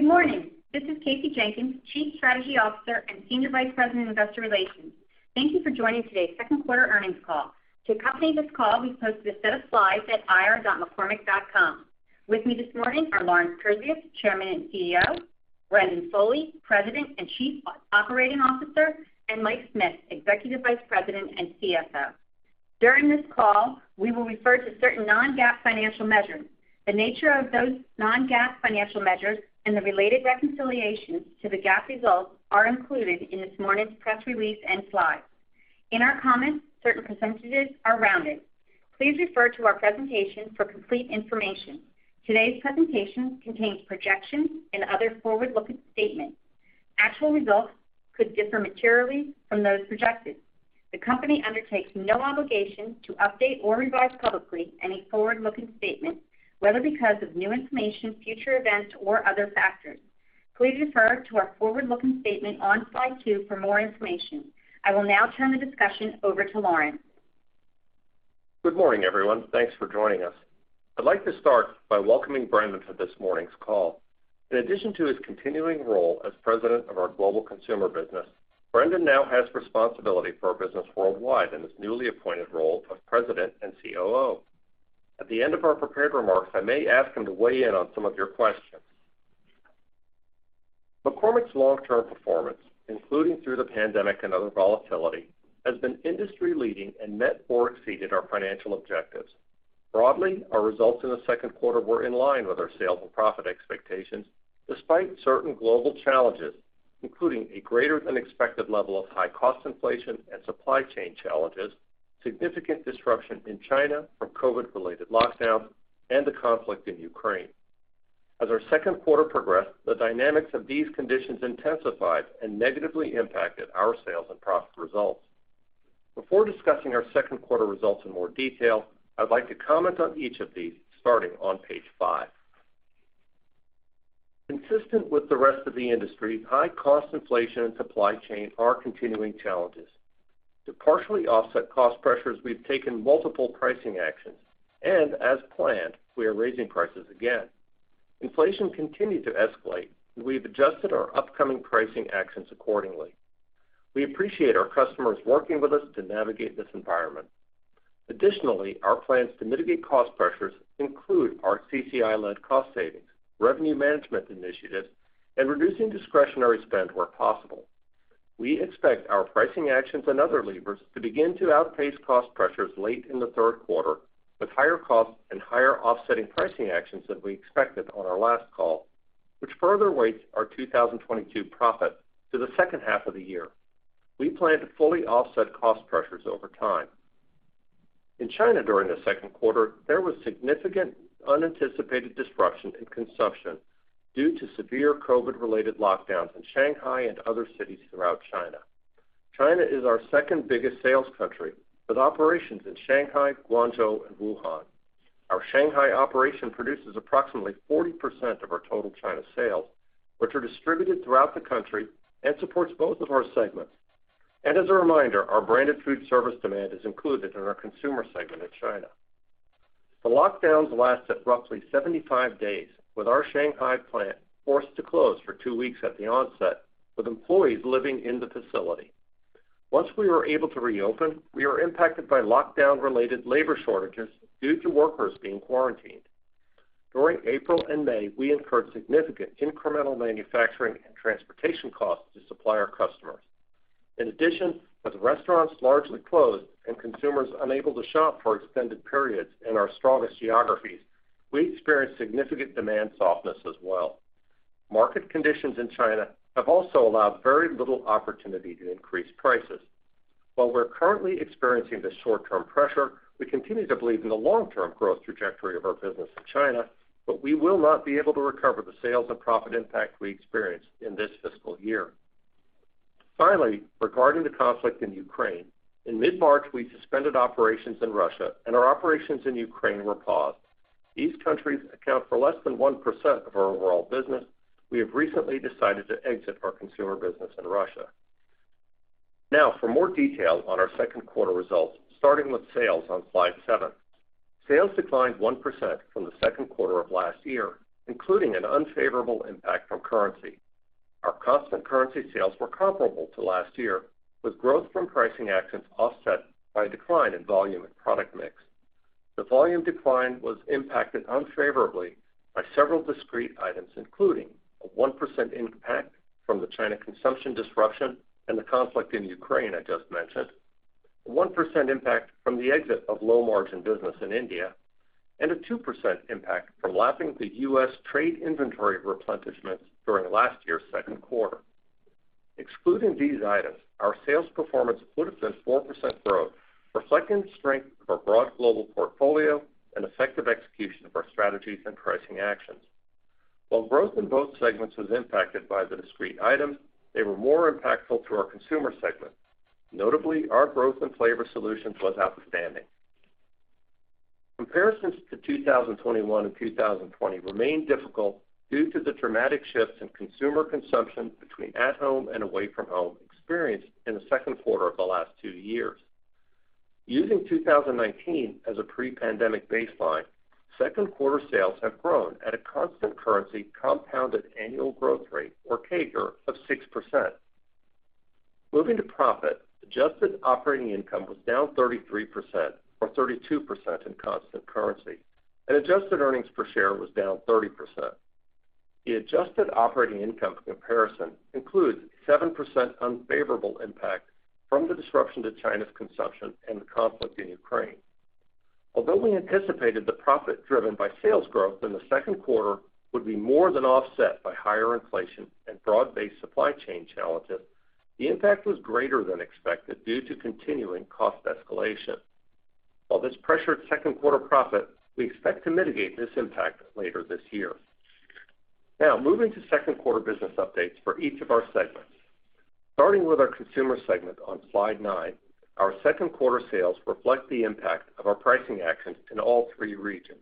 Good morning. This is Kasey Jenkins, Chief Strategy Officer and Senior Vice President, Investor Relations. Thank you for joining today's Second Quarter Earnings Call. To accompany this call, we've posted a set of slides at ir.mccormick.com. With me this morning are Lawrence Kurzius, Chairman and CEO, Brendan Foley, President and Chief Operating Officer, and Mike Smith, Executive Vice President and CFO. During this call, we will refer to certain non-GAAP financial measures. The nature of those non-GAAP financial measures and the related reconciliations to the GAAP results are included in this morning's press release and slides. In our comments, certain percentages are rounded. Please refer to our presentation for complete information. Today's presentation contains projections and other forward-looking statements. Actual results could differ materially from those projected. The company undertakes no obligation to update or revise publicly any forward-looking statement, whether because of new information, future events, or other factors. Please refer to our forward-looking statement on slide two for more information. I will now turn the discussion over to Lawrence Kurzius. Good morning, everyone. Thanks for joining us. I'd like to start by welcoming Brendan to this morning's call. In addition to his continuing role as president of our global consumer business, Brendan now has responsibility for our business worldwide in his newly appointed role of President and COO. At the end of our prepared remarks, I may ask him to weigh in on some of your questions. McCormick's long-term performance, including through the pandemic and other volatility, has been industry-leading and met or exceeded our financial objectives. Broadly, our results in the second quarter were in line with our sales and profit expectations despite certain global challenges, including a greater-than-expected level of high cost inflation and supply chain challenges, significant disruption in China from COVID-related lock-downs, and the conflict in Ukraine. As our second quarter progressed, the dynamics of these conditions intensified and negatively impacted our sales and profit results. Before discussing our second quarter results in more detail, I'd like to comment on each of these, starting on page 5. Consistent with the rest of the industry, high cost inflation and supply chain are continuing challenges. To partially offset cost pressures, we've taken multiple pricing actions, and as planned, we are raising prices again. Inflation continued to escalate, and we've adjusted our upcoming pricing actions accordingly. We appreciate our customers working with us to navigate this environment. Additionally, our plans to mitigate cost pressures include our CCI-led cost savings, revenue management initiatives, and reducing discretionary spend where possible. We expect our pricing actions and other levers to begin to outpace cost pressures late in the third quarter, with higher costs and higher offsetting pricing actions than we expected on our last call, which further weights our 2022 profit to the second half of the year. We plan to fully offset cost pressures over time. In China during the second quarter, there was significant unanticipated disruption in consumption due to severe COVID-related lockdowns in Shanghai and other cities throughout China. China is our second biggest sales country, with operations in Shanghai, Guangzhou, and Wuhan. Our Shanghai operation produces approximately 40% of our total China sales, which are distributed throughout the country and supports both of our segments. As a reminder, our branded food service demand is included in our consumer segment in China. The lockdowns lasted roughly 75 days, with our Shanghai plant forced to close for 2 weeks at the onset, with employees living in the facility. Once we were able to reopen, we were impacted by lockdown-related labor shortages due to workers being quarantined. During April and May, we incurred significant incremental manufacturing and transportation costs to supply our customers. In addition, with restaurants largely closed and consumers unable to shop for extended periods in our strongest geographies, we experienced significant demand softness as well. Market conditions in China have also allowed very little opportunity to increase prices. While we're currently experiencing this short-term pressure, we continue to believe in the long-term growth trajectory of our business in China, but we will not be able to recover the sales and profit impact we experienced in this fiscal year. Finally, regarding the conflict in Ukraine, in mid-March, we suspended operations in Russia, and our operations in Ukraine were paused. These countries account for less than 1% of our overall business. We have recently decided to exit our consumer business in Russia. Now, for more detail on our second quarter results, starting with sales on slide 7. Sales declined 1% from the second quarter of last year, including an unfavorable impact from currency. Our constant currency sales were comparable to last year, with growth from pricing actions offset by a decline in volume and product mix. The volume decline was impacted unfavorably by several discrete items, including a 1% impact from the China consumption disruption and the conflict in Ukraine I just mentioned, a 1% impact from the exit of low-margin business in India, and a 2% impact from lapping the U.S. trade inventory replenishments during last year's second quarter. Excluding these items, our sales performance would have been 4% growth, reflecting the strength of our broad global portfolio and effective execution of our strategies and pricing actions. While growth in both segments was impacted by the discrete items, they were more impactful to our consumer segment. Notably, our growth in flavor solutions was outstanding. Comparisons to 2021 and 2020 remain difficult due to the dramatic shifts in consumer consumption between at home and away from home experienced in the second quarter of the last two years. Using 2019 as a pre-pandemic baseline, second quarter sales have grown at a constant currency compounded annual growth rate or CAGR of 6%. Moving to profit, adjusted operating income was down 33% or 32% in constant currency, and adjusted earnings per share was down 30%. The adjusted operating income comparison includes 7% unfavorable impact from the disruption to China's consumption and the conflict in Ukraine. Although we anticipated the profit driven by sales growth in the second quarter would be more than offset by higher inflation and broad-based supply chain challenges, the impact was greater than expected due to continuing cost escalation. While this pressured second-quarter profit, we expect to mitigate this impact later this year. Now moving to second-quarter business updates for each of our segments. Starting with our consumer segment on slide 9, our second-quarter sales reflect the impact of our pricing actions in all three regions.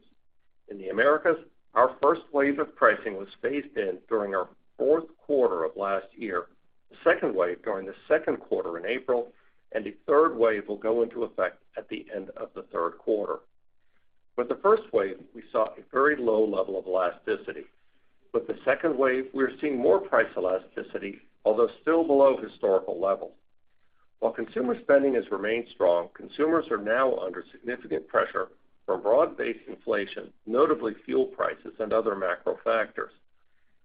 In the Americas, our first wave of pricing was phased in during our fourth quarter of last year, the second wave during the second quarter in April, and the third wave will go into effect at the end of the third quarter. With the first wave, we saw a very low level of elasticity. With the second wave, we are seeing more price elasticity, although still below historical levels. While consumer spending has remained strong, consumers are now under significant pressure from broad-based inflation, notably fuel prices and other macro factors.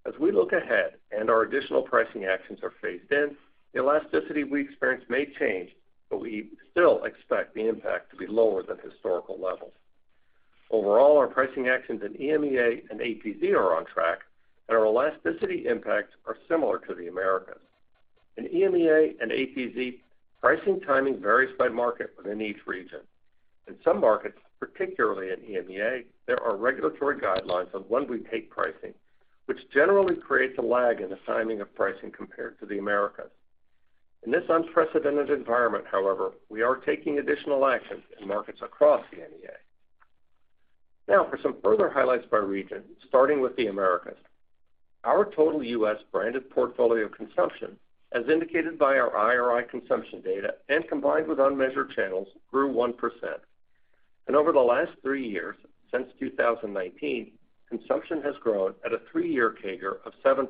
As we look ahead and our additional pricing actions are phased in, the elasticity we experience may change, but we still expect the impact to be lower than historical levels. Overall, our pricing actions in EMEA and are on track, and our elasticity impacts are similar to the Americas. In EMEA and APZ, pricing timing varies by market within each region. In some markets, particularly in EMEA, there are regulatory guidelines on when we take pricing, which generally creates a lag in the timing of pricing compared to the Americas. In this unprecedented environment, however, we are taking additional actions in markets across EMEA. Now for some further highlights by region, starting with the Americas. Our total U.S. branded portfolio consumption, as indicated by our IRI consumption data and combined with unmeasured channels, grew 1%. Over the last three years, since 2019, consumption has grown at a three-year CAGR of 7%,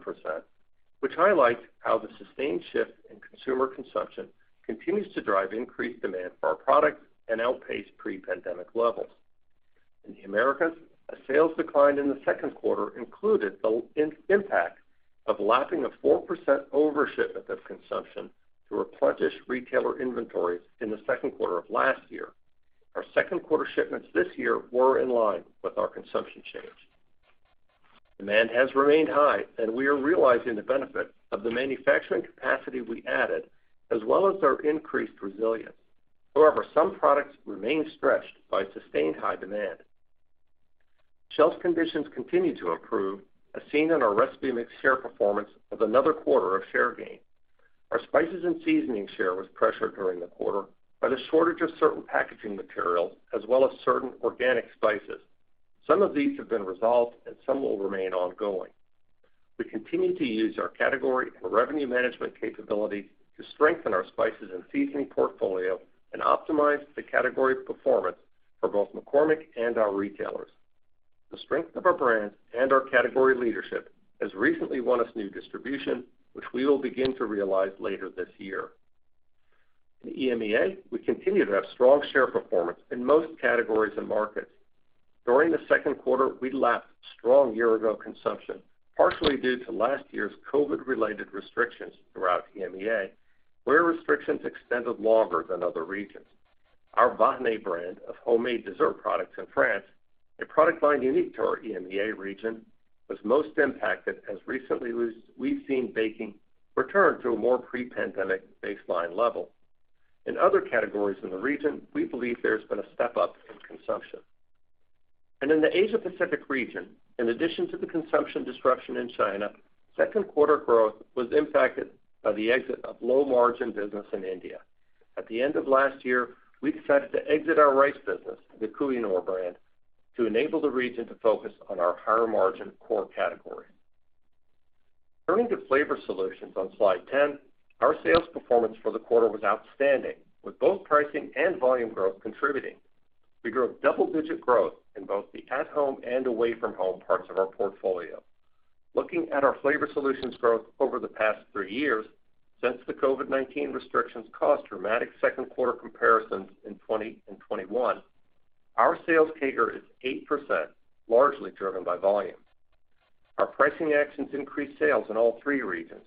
which highlights how the sustained shift in consumer consumption continues to drive increased demand for our products and outpace pre-pandemic levels. In the Americas, a sales decline in the second quarter included the impact of lapping a 4% overshipment of consumption to replenish retailer inventories in the second quarter of last year. Our second-quarter shipments this year were in line with our consumption change. Demand has remained high, and we are realizing the benefit of the manufacturing capacity we added, as well as our increased resilience. However, some products remain stretched by sustained high demand. Shelf conditions continue to improve, as seen in our recipe mix share performance of another quarter of share gain. Our spices and seasonings share was pressured during the quarter by the shortage of certain packaging materials as well as certain organic spices. Some of these have been resolved and some will remain ongoing. We continue to use our category and revenue management capabilities to strengthen our spices and seasonings portfolio and optimize the category performance for both McCormick and our retailers. The strength of our brands and our category leadership has recently won us new distribution, which we will begin to realize later this year. In EMEA, we continue to have strong share performance in most categories and markets. During the second quarter, we lapped strong year-ago consumption, partially due to last year's COVID-related restrictions throughout EMEA, where restrictions extended longer than other regions. Our Vahiné brand of homemade dessert products in France, a product line unique to our EMEA region, was most impacted as recently we've seen baking return to a more pre-pandemic baseline level. In other categories in the region, we believe there's been a step up in consumption. In the Asia Pacific region, in addition to the consumption disruption in China, second quarter growth was impacted by the exit of low margin business in India. At the end of last year, we decided to exit our rice business, the Kohinoor brand, to enable the region to focus on our higher margin core categories. Turning to flavor solutions on slide 10, our sales performance for the quarter was outstanding, with both pricing and volume growth contributing. We grew double-digit growth in both the at-home and away-from-home parts of our portfolio. Looking at our Flavor Solutions growth over the past three years, since the COVID-19 restrictions caused dramatic second quarter comparisons in 2020 and 2021, our sales CAGR is 8%, largely driven by volume. Our pricing actions increased sales in all three regions.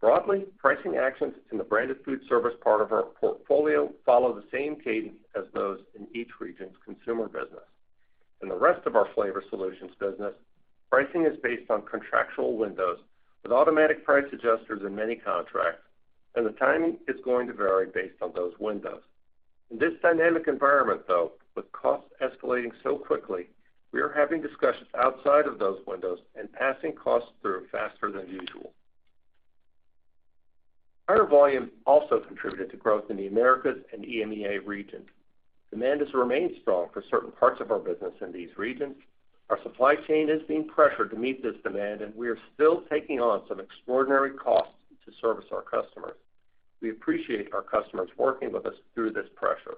Broadly, pricing actions in the branded food service part of our portfolio follow the same cadence as those in each region's consumer business. In the rest of our Flavor Solutions business, pricing is based on contractual windows with automatic price adjusters in many contracts, and the timing is going to vary based on those windows. In this dynamic environment, though, with costs escalating so quickly, we are having discussions outside of those windows and passing costs through faster than usual. Higher volume also contributed to growth in the Americas and EMEA regions. Demand has remained strong for certain parts of our business in these regions. Our supply chain is being pressured to meet this demand, and we are still taking on some extraordinary costs to service our customers. We appreciate our customers working with us through this pressure.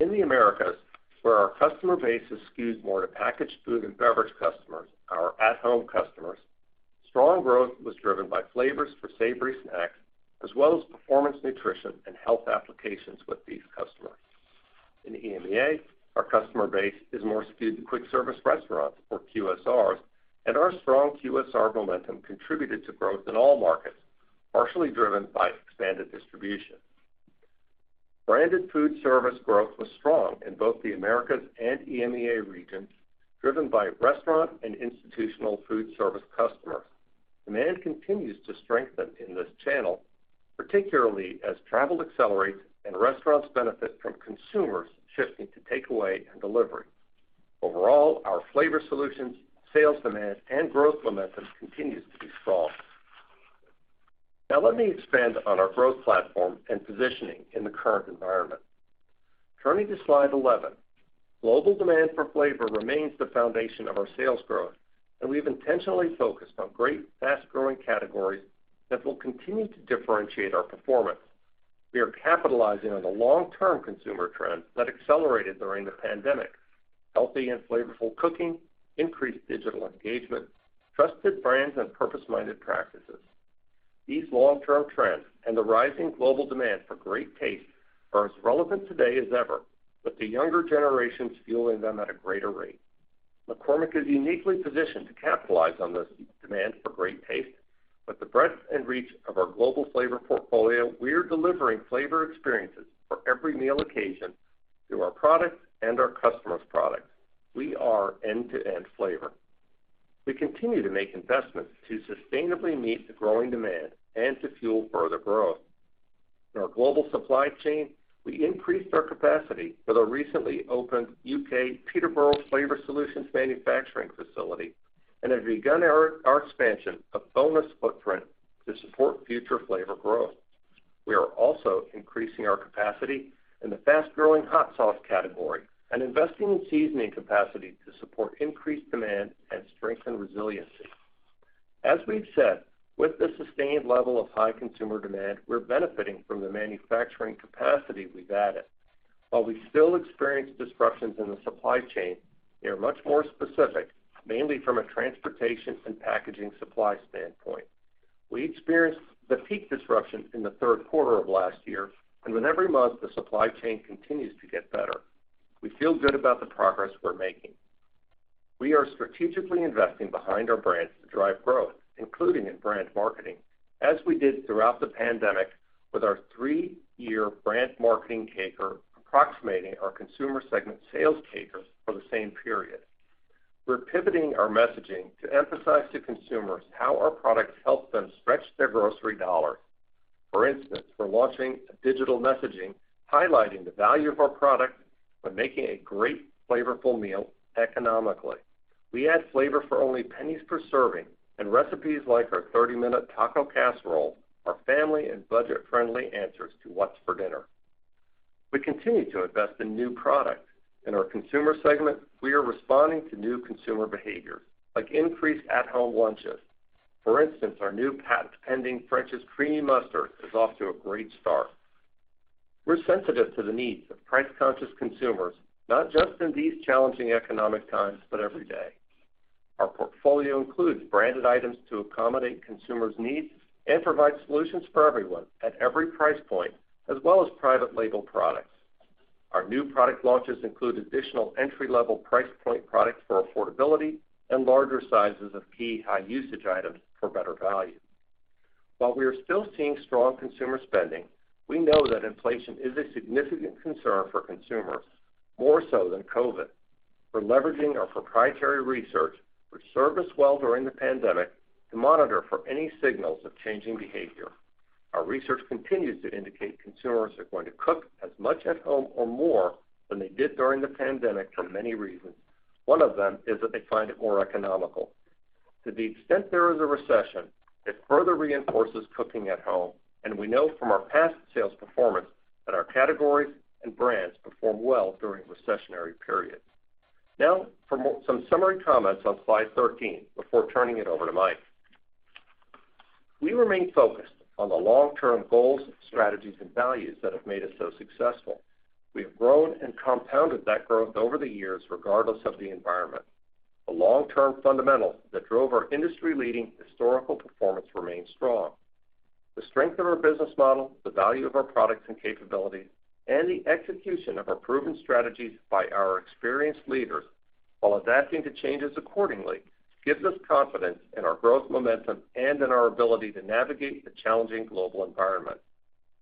In the Americas, where our customer base is skewed more to packaged food and beverage customers, our at-home customers, strong growth was driven by flavors for savory snacks as well as performance nutrition and health applications with these customers. In EMEA, our customer base is more skewed to quick service restaurants, or QSRs, and our strong QSR momentum contributed to growth in all markets, partially driven by expanded distribution. Branded food service growth was strong in both the Americas and EMEA regions, driven by restaurant and institutional food service customers. Demand continues to strengthen in this channel, particularly as travel accelerates and restaurants benefit from consumers shifting to take away and delivery. Overall, our flavor solutions, sales demand, and growth momentum continues to be strong. Now let me expand on our growth platform and positioning in the current environment. Turning to slide 11, global demand for flavor remains the foundation of our sales growth, and we've intentionally focused on great fast-growing categories that will continue to differentiate our performance. We are capitalizing on the long-term consumer trends that accelerated during the pandemic, healthy and flavorful cooking, increased digital engagement, trusted brands, and purpose-minded practices. These long-term trends and the rising global demand for great taste are as relevant today as ever, with the younger generations fueling them at a greater rate. McCormick is uniquely positioned to capitalize on this demand for great taste. With the breadth and reach of our global flavor portfolio, we are delivering flavor experiences for every meal occasion through our products and our customers' products. We are end-to-end flavor. We continue to make investments to sustainably meet the growing demand and to fuel further growth. In our global supply chain, we increased our capacity with our recently opened UK Peterborough Flavor Solutions manufacturing facility and have begun our expansion of FONA's footprint to support future flavor growth. We are also increasing our capacity in the fast-growing hot sauce category and investing in seasoning capacity to support increased demand and strengthen resiliency. As we've said, with the sustained level of high consumer demand, we're benefiting from the manufacturing capacity we've added. While we still experience disruptions in the supply chain, they are much more specific, mainly from a transportation and packaging supply standpoint. We experienced the peak disruption in the third quarter of last year, and with every month, the supply chain continues to get better. We feel good about the progress we're making. We are strategically investing behind our brands to drive growth, including in brand marketing, as we did throughout the pandemic with our 3-year brand marketing CAGR approximating our consumer segment sales CAGRs for the same period. We're pivoting our messaging to emphasize to consumers how our products help them stretch their grocery dollar. For instance, we're launching a digital messaging highlighting the value of our product by making a great flavorful meal economically. We add flavor for only pennies per serving, and recipes like our 30-minute taco casserole are family and budget-friendly answers to what's for dinner. We continue to invest in new products. In our consumer segment, we are responding to new consumer behaviors, like increased at-home lunches. For instance, our new patent-pending French's Creamy Mustard is off to a great start. We're sensitive to the needs of price-conscious consumers, not just in these challenging economic times, but every day. Our portfolio includes branded items to accommodate consumers' needs and provide solutions for everyone at every price point, as well as private label products. Our new product launches include additional entry-level price point products for affordability and larger sizes of key high-usage items for better value. While we are still seeing strong consumer spending, we know that inflation is a significant concern for consumers, more so than COVID. We're leveraging our proprietary research, which served us well during the pandemic, to monitor for any signals of changing behavior. Our research continues to indicate consumers are going to cook as much at home or more than they did during the pandemic for many reasons. One of them is that they find it more economical. To the extent there is a recession, it further reinforces cooking at home, and we know from our past sales performance that our categories and brands perform well during recessionary periods. Now, for some summary comments on slide 13 before turning it over to Mike. We remain focused on the long-term goals, strategies, and values that have made us so successful. We have grown and compounded that growth over the years, regardless of the environment. The long-term fundamentals that drove our industry-leading historical performance remain strong. The strength of our business model, the value of our products and capabilities, and the execution of our proven strategies by our experienced leaders while adapting to changes accordingly gives us confidence in our growth momentum and in our ability to navigate the challenging global environment.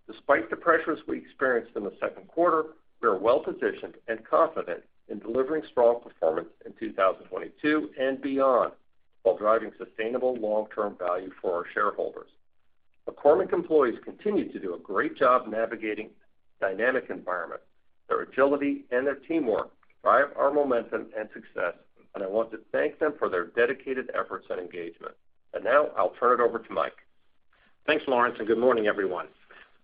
Despite the pressures we experienced in the second quarter, we are well positioned and confident in delivering strong performance in 2022 and beyond while driving sustainable long-term value for our shareholders. McCormick employees continue to do a great job navigating dynamic environment. Their agility and their teamwork drive our momentum and success, and I want to thank them for their dedicated efforts and engagement. Now I'll turn it over to Mike. Thanks, Lawrence, and good morning everyone.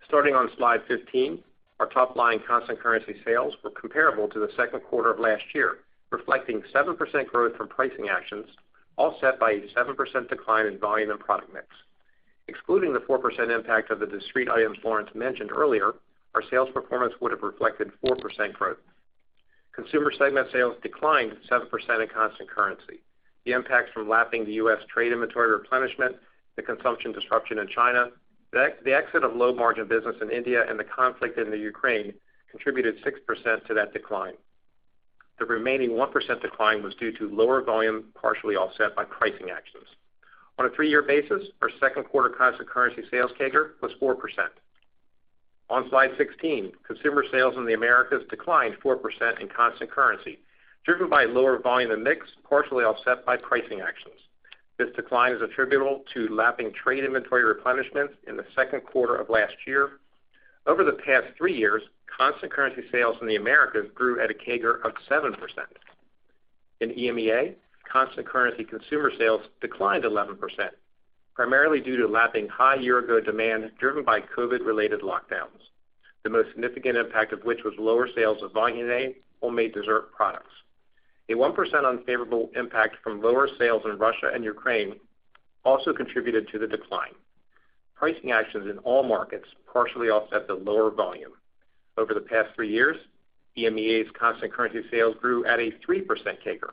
Starting on slide 15, our top line constant currency sales were comparable to the second quarter of last year, reflecting 7% growth from pricing actions, offset by a 7% decline in volume and product mix. Excluding the 4% impact of the discrete items Lawrence mentioned earlier, our sales performance would have reflected 4% growth. Consumer segment sales declined 7% in constant currency. The impact from lapping the U.S. trade inventory replenishment, the consumption disruption in China, the exit of low margin business in India, and the conflict in the Ukraine contributed 6% to that decline. The remaining 1% decline was due to lower volume, partially offset by pricing actions. On a 3-year basis, our second quarter constant currency sales CAGR was 4%. On slide 16, consumer sales in the Americas declined 4% in constant currency, driven by lower volume and mix, partially offset by pricing actions. This decline is attributable to lapping trade inventory replenishment in the second quarter of last year. Over the past 3 years, constant currency sales in the Americas grew at a CAGR of 7%. In EMEA, constant currency consumer sales declined 11%, primarily due to lapping high year-ago demand driven by COVID-related lockdowns, the most significant impact of which was lower sales of Vahiné homemade dessert products. A 1% unfavorable impact from lower sales in Russia and Ukraine also contributed to the decline. Pricing actions in all markets partially offset the lower volume. Over the past 3 years, EMEA's constant currency sales grew at a 3% CAGR.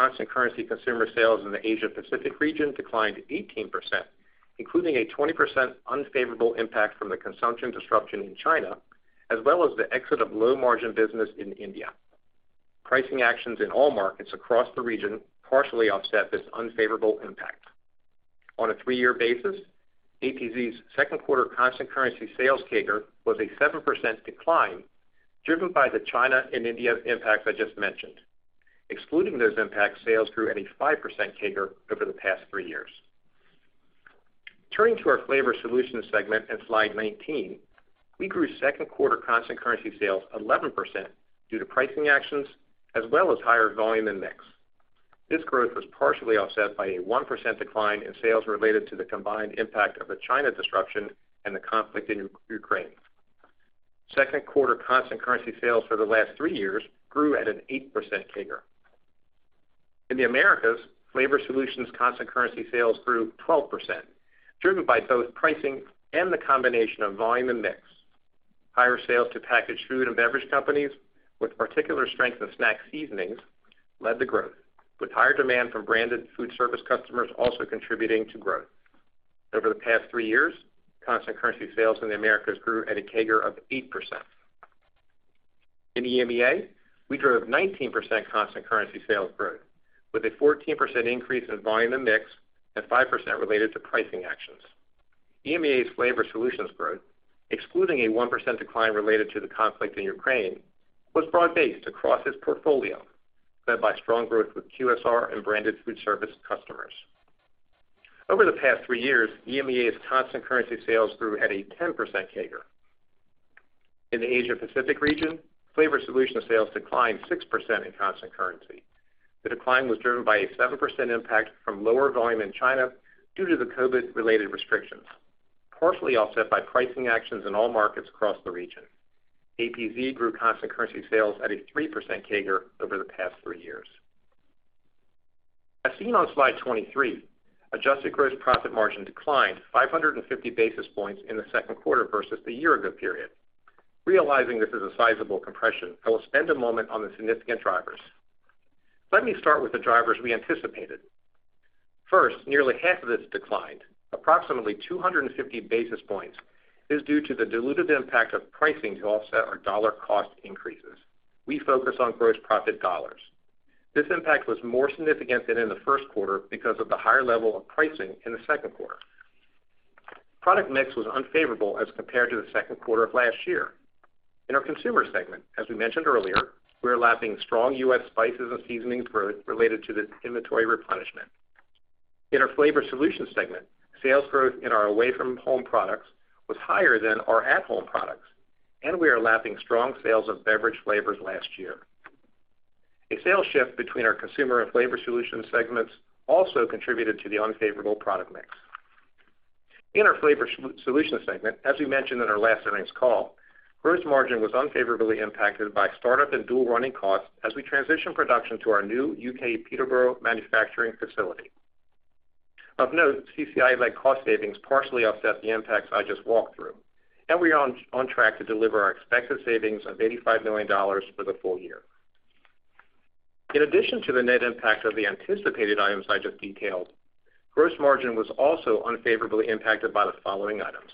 Constant currency consumer sales in the Asia Pacific region declined 18%, including a 20% unfavorable impact from the consumption disruption in China, as well as the exit of low margin business in India. Pricing actions in all markets across the region partially offset this unfavorable impact. On a three-year basis, APZ's second quarter constant currency sales CAGR was a 7% decline, driven by the China and India impacts I just mentioned. Excluding those impacts, sales grew at a 5% CAGR over the past three years. Turning to our flavor solutions segment in slide 19, we grew second quarter constant currency sales 11% due to pricing actions as well as higher volume and mix. This growth was partially offset by a 1% decline in sales related to the combined impact of the China disruption and the conflict in Ukraine. Second quarter constant currency sales for the last three years grew at an 8% CAGR. In the Americas, flavor solutions constant currency sales grew 12%, driven by both pricing and the combination of volume and mix. Higher sales to packaged food and beverage companies with particular strength of snack seasonings led the growth, with higher demand from branded food service customers also contributing to growth. Over the past three years, constant currency sales in the Americas grew at a CAGR of 8%. In EMEA, we drove 19% constant currency sales growth, with a 14% increase in volume and mix and 5% related to pricing actions. EMEA's flavor solutions growth, excluding a 1% decline related to the conflict in Ukraine, was broad-based across its portfolio, led by strong growth with QSR and branded food service customers. Over the past 3 years, EMEA's constant currency sales grew at a 10% CAGR. In the Asia Pacific region, Flavor Solutions sales declined 6% in constant currency. The decline was driven by a 7% impact from lower volume in China due to the COVID-related restrictions, partially offset by pricing actions in all markets across the region. APZ grew constant currency sales at a 3% CAGR over the past 3 years. As seen on slide 23, adjusted gross profit margin declined 550 basis points in the second quarter versus the year ago period. Realizing this is a sizable compression, I will spend a moment on the significant drivers. Let me start with the drivers we anticipated. First, nearly half of this decline, approximately 250 basis points, is due to the diluted impact of pricing to offset our dollar cost increases. We focus on gross profit dollars. This impact was more significant than in the first quarter because of the higher level of pricing in the second quarter. Product mix was unfavorable as compared to the second quarter of last year. In our consumer segment, as we mentioned earlier, we are lapping strong U.S. spices and seasonings growth related to the inventory replenishment. In our flavor solutions segment, sales growth in our away from home products was higher than our at home products, and we are lapping strong sales of beverage flavors last year. A sales shift between our consumer and flavor solutions segments also contributed to the unfavorable product mix. In our flavor solutions segment, as we mentioned in our last earnings call, gross margin was unfavorably impacted by start-up and dual running costs as we transition production to our new U.K. Peterborough manufacturing facility. Of note, CCI-led cost savings partially offset the impacts I just walked through, and we are on track to deliver our expected savings of $85 million for the full year. In addition to the net impact of the anticipated items I just detailed, gross margin was also unfavorably impacted by the following items.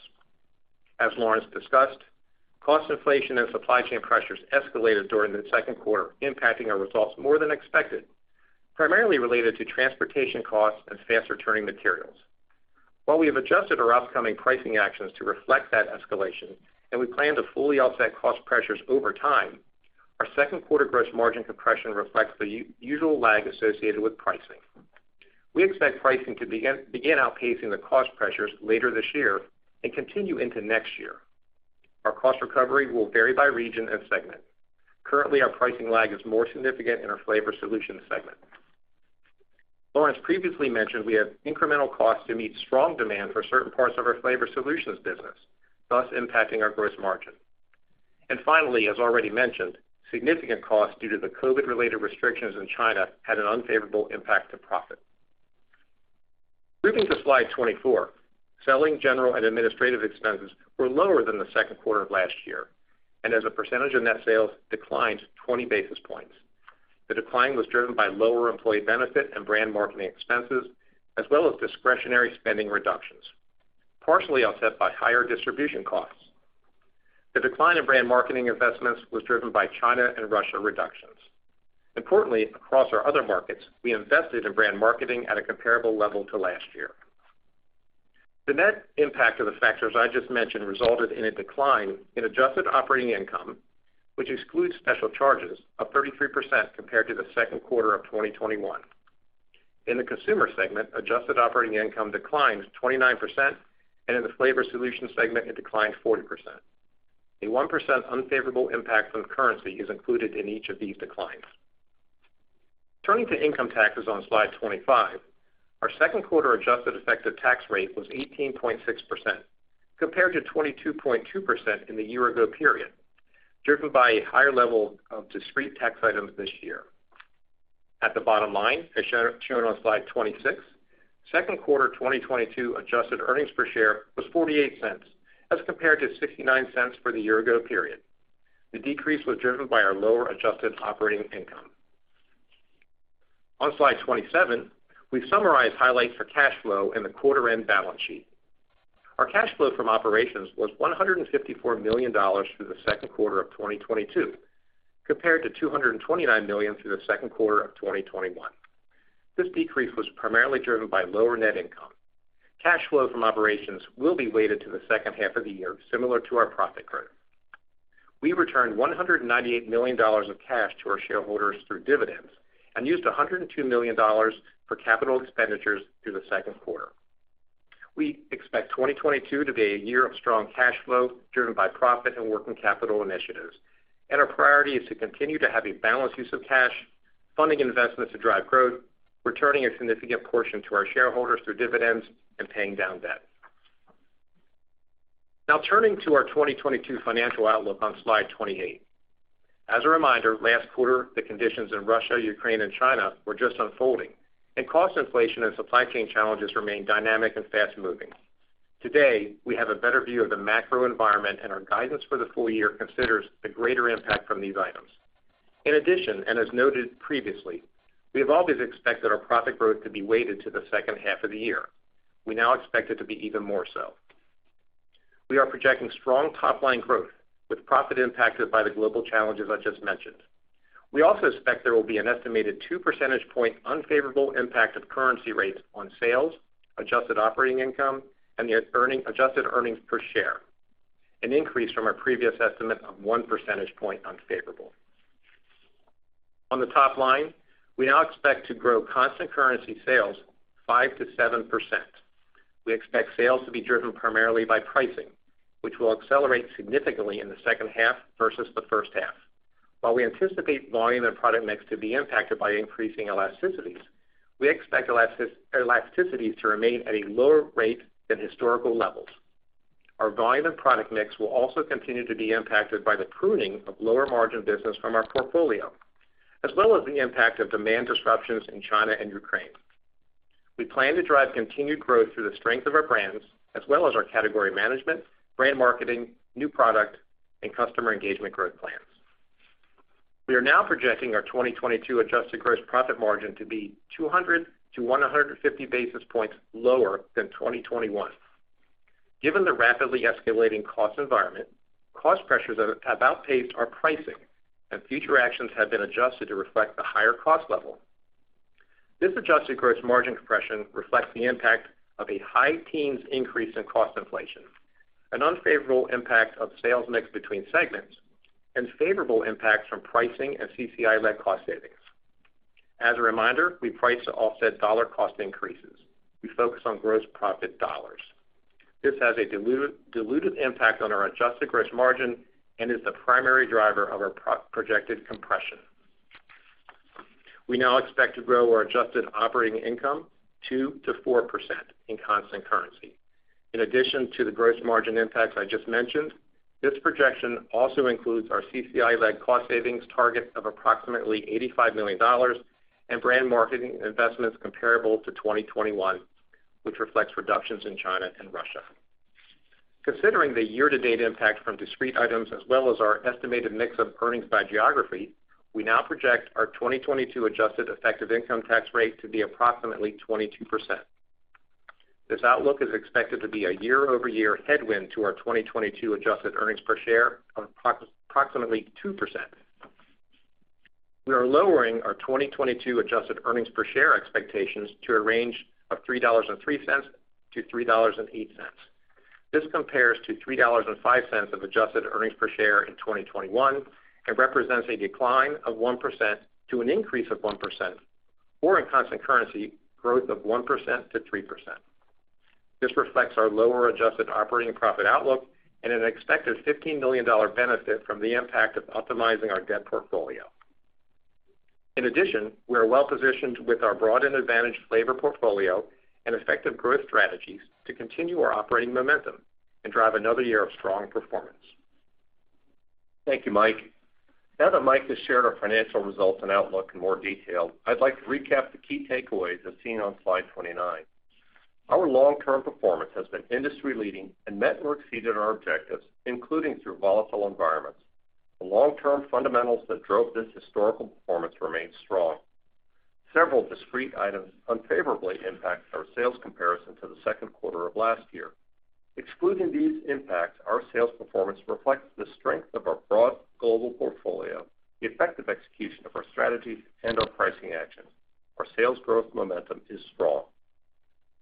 As Lawrence discussed, cost inflation and supply chain pressures escalated during the second quarter, impacting our results more than expected, primarily related to transportation costs and faster turning materials. While we have adjusted our upcoming pricing actions to reflect that escalation and we plan to fully offset cost pressures over time, our second quarter gross margin compression reflects the usual lag associated with pricing. We expect pricing to begin outpacing the cost pressures later this year and continue into next year. Our cost recovery will vary by region and segment. Currently, our pricing lag is more significant in our flavor solutions segment. Lawrence previously mentioned we have incremental costs to meet strong demand for certain parts of our flavor solutions business, thus impacting our gross margin. Finally, as already mentioned, significant costs due to the COVID-related restrictions in China had an unfavorable impact to profit. Moving to slide 24. Selling, general, and administrative expenses were lower than the second quarter of last year, and as a percentage of net sales declined 20 basis points. The decline was driven by lower employee benefit and brand marketing expenses as well as discretionary spending reductions, partially offset by higher distribution costs. The decline in brand marketing investments was driven by China and Russia reductions. Importantly, across our other markets, we invested in brand marketing at a comparable level to last year. The net impact of the factors I just mentioned resulted in a decline in adjusted operating income, which excludes special charges of 33% compared to the second quarter of 2021. In the consumer segment, adjusted operating income declined 29%, and in the flavor solutions segment, it declined 40%. A 1% unfavorable impact from currency is included in each of these declines. Turning to income taxes on slide 25. Our second quarter adjusted effective tax rate was 18.6% compared to 22.2% in the year ago period, driven by a higher level of discrete tax items this year. At the bottom line, as shown on slide 26, second quarter 2022 adjusted earnings per share was $0.48 as compared to $0.69 for the year ago period. The decrease was driven by our lower adjusted operating income. On slide 27, we summarize highlights for cash flow and the quarter end balance sheet. Our cash flow from operations was $154 million through the second quarter of 2022 compared to $229 million through the second quarter of 2021. This decrease was primarily driven by lower net income. Cash flow from operations will be weighted to the second half of the year, similar to our profit growth. We returned $198 million of cash to our shareholders through dividends and used $102 million for capital expenditures through the second quarter. We expect 2022 to be a year of strong cash flow driven by profit and working capital initiatives, and our priority is to continue to have a balanced use of cash, funding investments to drive growth, returning a significant portion to our shareholders through dividends, and paying down debt. Now turning to our 2022 financial outlook on slide 28. As a reminder, last quarter, the conditions in Russia, Ukraine, and China were just unfolding, and cost inflation and supply chain challenges remain dynamic and fast-moving. Today, we have a better view of the macro environment and our guidance for the full year considers the greater impact from these items. In addition, and as noted previously, we have always expected our profit growth to be weighted to the second half of the year. We now expect it to be even more so. We are projecting strong top-line growth with profit impacted by the global challenges I just mentioned. We also expect there will be an estimated 2 percentage point unfavorable impact of currency rates on sales, adjusted operating income, and adjusted earnings per share, an increase from our previous estimate of 1 percentage point unfavorable. On the top line, we now expect to grow constant currency sales 5%-7%. We expect sales to be driven primarily by pricing, which will accelerate significantly in the second half versus the first half. While we anticipate volume and product mix to be impacted by increasing elasticities, we expect elasticities to remain at a lower rate than historical levels. Our volume and product mix will also continue to be impacted by the pruning of lower margin business from our portfolio, as well as the impact of demand disruptions in China and Ukraine. We plan to drive continued growth through the strength of our brands as well as our category management, brand marketing, new product, and customer engagement growth plans. We are now projecting our 2022 adjusted gross profit margin to be 200 to 150 basis points lower than 2021. Given the rapidly escalating cost environment, cost pressures have outpaced our pricing and future actions have been adjusted to reflect the higher cost level. This adjusted gross margin compression reflects the impact of a high teens increase in cost inflation, an unfavorable impact of sales mix between segments and favorable impacts from pricing and CCI-led cost savings. As a reminder, we price to offset dollar cost increases. We focus on gross profit dollars. This has a diluted impact on our adjusted gross margin and is the primary driver of our projected compression. We now expect to grow our adjusted operating income 2%-4% in constant currency. In addition to the gross margin impacts I just mentioned, this projection also includes our CCI-led cost savings target of approximately $85 million and brand marketing investments comparable to 2021, which reflects reductions in China and Russia. Considering the year-to-date impact from discrete items as well as our estimated mix of earnings by geography, we now project our 2022 adjusted effective income tax rate to be approximately 22%. This outlook is expected to be a year-over-year headwind to our 2022 adjusted earnings per share of approximately 2%. We are lowering our 2022 adjusted earnings per share expectations to a range of $3.03-$3.08. This compares to $3.05 of adjusted earnings per share in 2021 and represents a decline of 1% to an increase of 1%, or in constant currency growth of 1%-3%. This reflects our lower adjusted operating profit outlook and an expected $15 million benefit from the impact of optimizing our debt portfolio. In addition, we are well-positioned with our broad and advantaged flavor portfolio and effective growth strategies to continue our operating momentum and drive another year of strong performance. Thank you, Mike. Now that Mike has shared our financial results and outlook in more detail, I'd like to recap the key takeaways as seen on slide 29. Our long-term performance has been industry leading and met or exceeded our objectives, including through volatile environments. The long-term fundamentals that drove this historical performance remain strong. Several discrete items unfavorably impact our sales comparison to the second quarter of last year. Excluding these impacts, our sales performance reflects the strength of our broad global portfolio, the effective execution of our strategies, and our pricing actions. Our sales growth momentum is strong.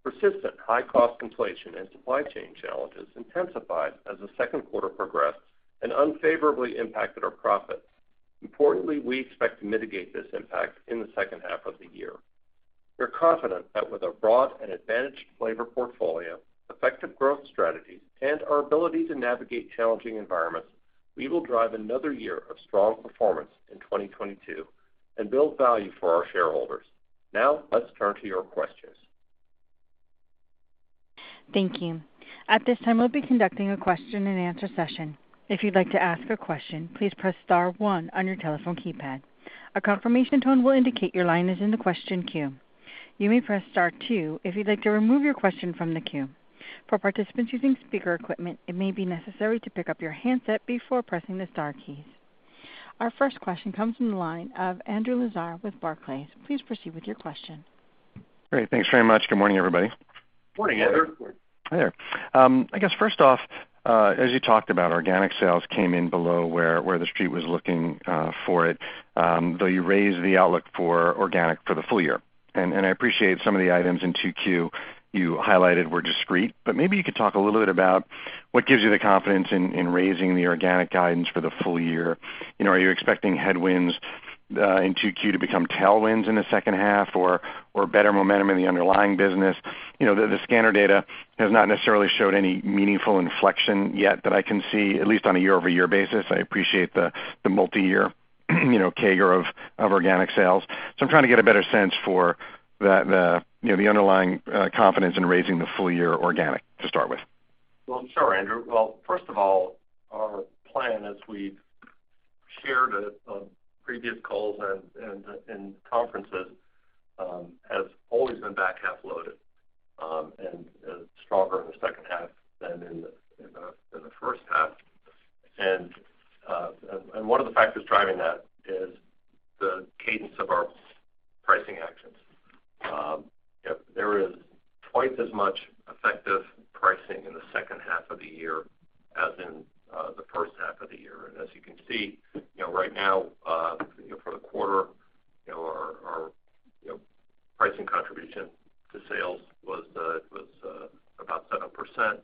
Persistent high cost inflation and supply chain challenges intensified as the second quarter progressed and unfavorably impacted our profits. Importantly, we expect to mitigate this impact in the second half of the year. We're confident that with a broad and advantaged flavor portfolio, effective growth strategies, and our ability to navigate challenging environments, we will drive another year of strong performance in 2022 and build value for our shareholders. Now let's turn to your questions. Thank you. At this time, we'll be conducting a question-and-answer session. If you'd like to ask a question, please press star one on your telephone keypad. A confirmation tone will indicate your line is in the question queue. You may press star two if you'd like to remove your question from the queue. For participants using speaker equipment, it may be necessary to pick up your handset before pressing the star keys. Our first question comes from the line of Andrew Lazar with Barclays. Please proceed with your question. Great. Thanks very much. Good morning, everybody. Morning, Andrew. Hi there. I guess first off, as you talked about, organic sales came in below where the Street was looking for it, though you raised the outlook for organic for the full year. I appreciate some of the items in 2Q you highlighted were discrete, but maybe you could talk a little bit about what gives you the confidence in raising the organic guidance for the full year. You know, are you expecting headwinds in 2Q to become tailwinds in the second half or better momentum in the underlying business? You know, the scanner data has not necessarily showed any meaningful inflection yet that I can see, at least on a year-over-year basis. I appreciate the multiyear, you know, CAGR of organic sales. I'm trying to get a better sense for the, you know, the underlying confidence in raising the full year organic to start with. Well, sure, Andrew. Well, first of all, our plan, as we've shared at previous calls and conferences, has always been back-half loaded, and one of the factors driving that is the cadence of our pricing actions. You know, there is twice as much effective pricing in the second half of the year as in the first half of the year. As you can see, you know, right now, for the quarter, you know, our pricing contribution to sales was about 7%,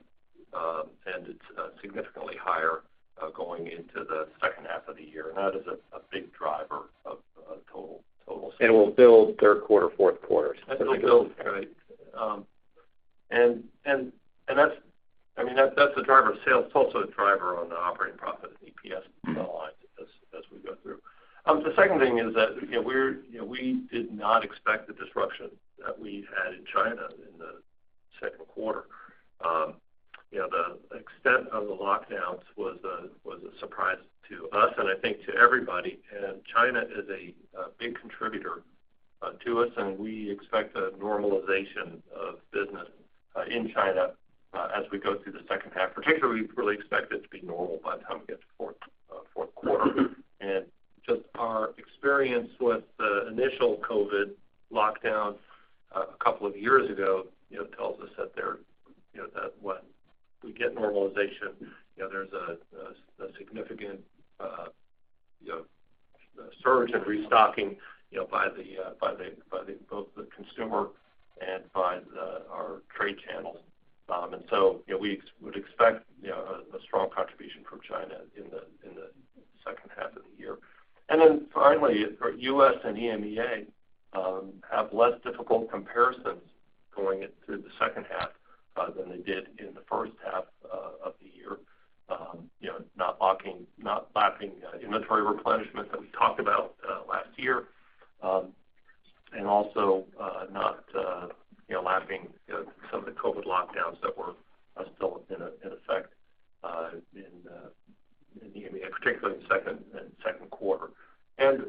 and it's significantly higher going into the second-half of the year. That is a big driver of total sales. Will build third quarter, fourth quarter. It'll build, right. That's a driver of sales. It's also a driver on the operating profit and EPS lines as we go through. The second thing is that, you know, we did not expect the disruption that we had in China in the second quarter. You know, the extent of the lockdowns was a surprise to us and I think to everybody. China is a big contributor to us, and we expect a normalization of business in China as we go through the second half. Particularly, we really expect it to be normal by the time we get to fourth quarter. Just our experience with the initial COVID lockdown a couple of years ago, you know, tells us that there, you know, that when we get normalization, you know, there's a significant surge in restocking, you know, by both the consumer and our trade channels. You know, we would expect a strong contribution from China in the second half of the year. Finally, for U.S. and EMEA, have less difficult comparisons going into the second half than they did in the first half of the year. You know, not lapping inventory replenishment that we talked about last year. Also, not you know lapping you know some of the COVID lockdowns that were still in effect in EMEA, particularly in the second quarter.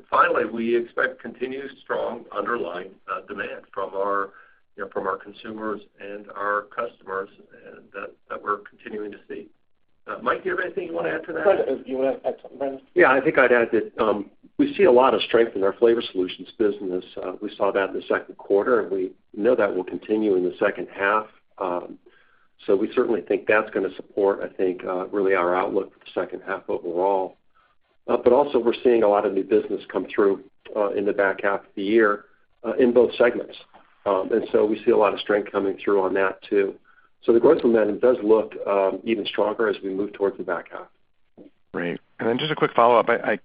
Finally, we expect continued strong underlying demand from our you know from our consumers and our customers and that we're continuing to see. Mike, do you have anything you wanna add to that? Brendan, do you wanna add something? Yeah, I think I'd add that, we see a lot of strength in our flavor solutions business. We saw that in the second quarter, and we know that will continue in the second half. We certainly think that's gonna support, I think, really our outlook for the second half overall. Also, we're seeing a lot of new business come through, in the back half of the year, in both segments. We see a lot of strength coming through on that too. The growth momentum does look even stronger as we move towards the back half. Great. Just a quick follow-up. I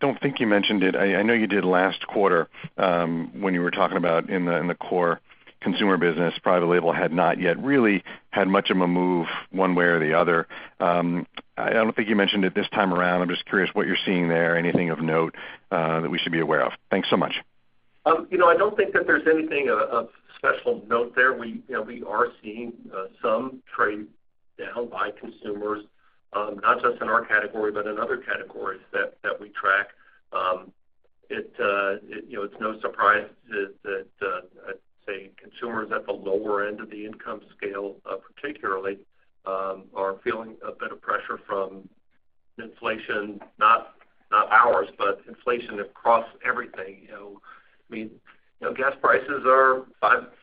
don't think you mentioned it. I know you did last quarter, when you were talking about the core consumer business, private label had not yet really had much of a move one way or the other. I don't think you mentioned it this time around. I'm just curious what you're seeing there, anything of note, that we should be aware of. Thanks so much. You know, I don't think that there's anything of special note there. You know, we are seeing some trade down by consumers, not just in our category, but in other categories that we track. It, you know, it's no surprise that say consumers at the lower end of the income scale, particularly, are feeling a bit of pressure from inflation, not ours, but inflation across everything, you know. I mean, you know, gas prices are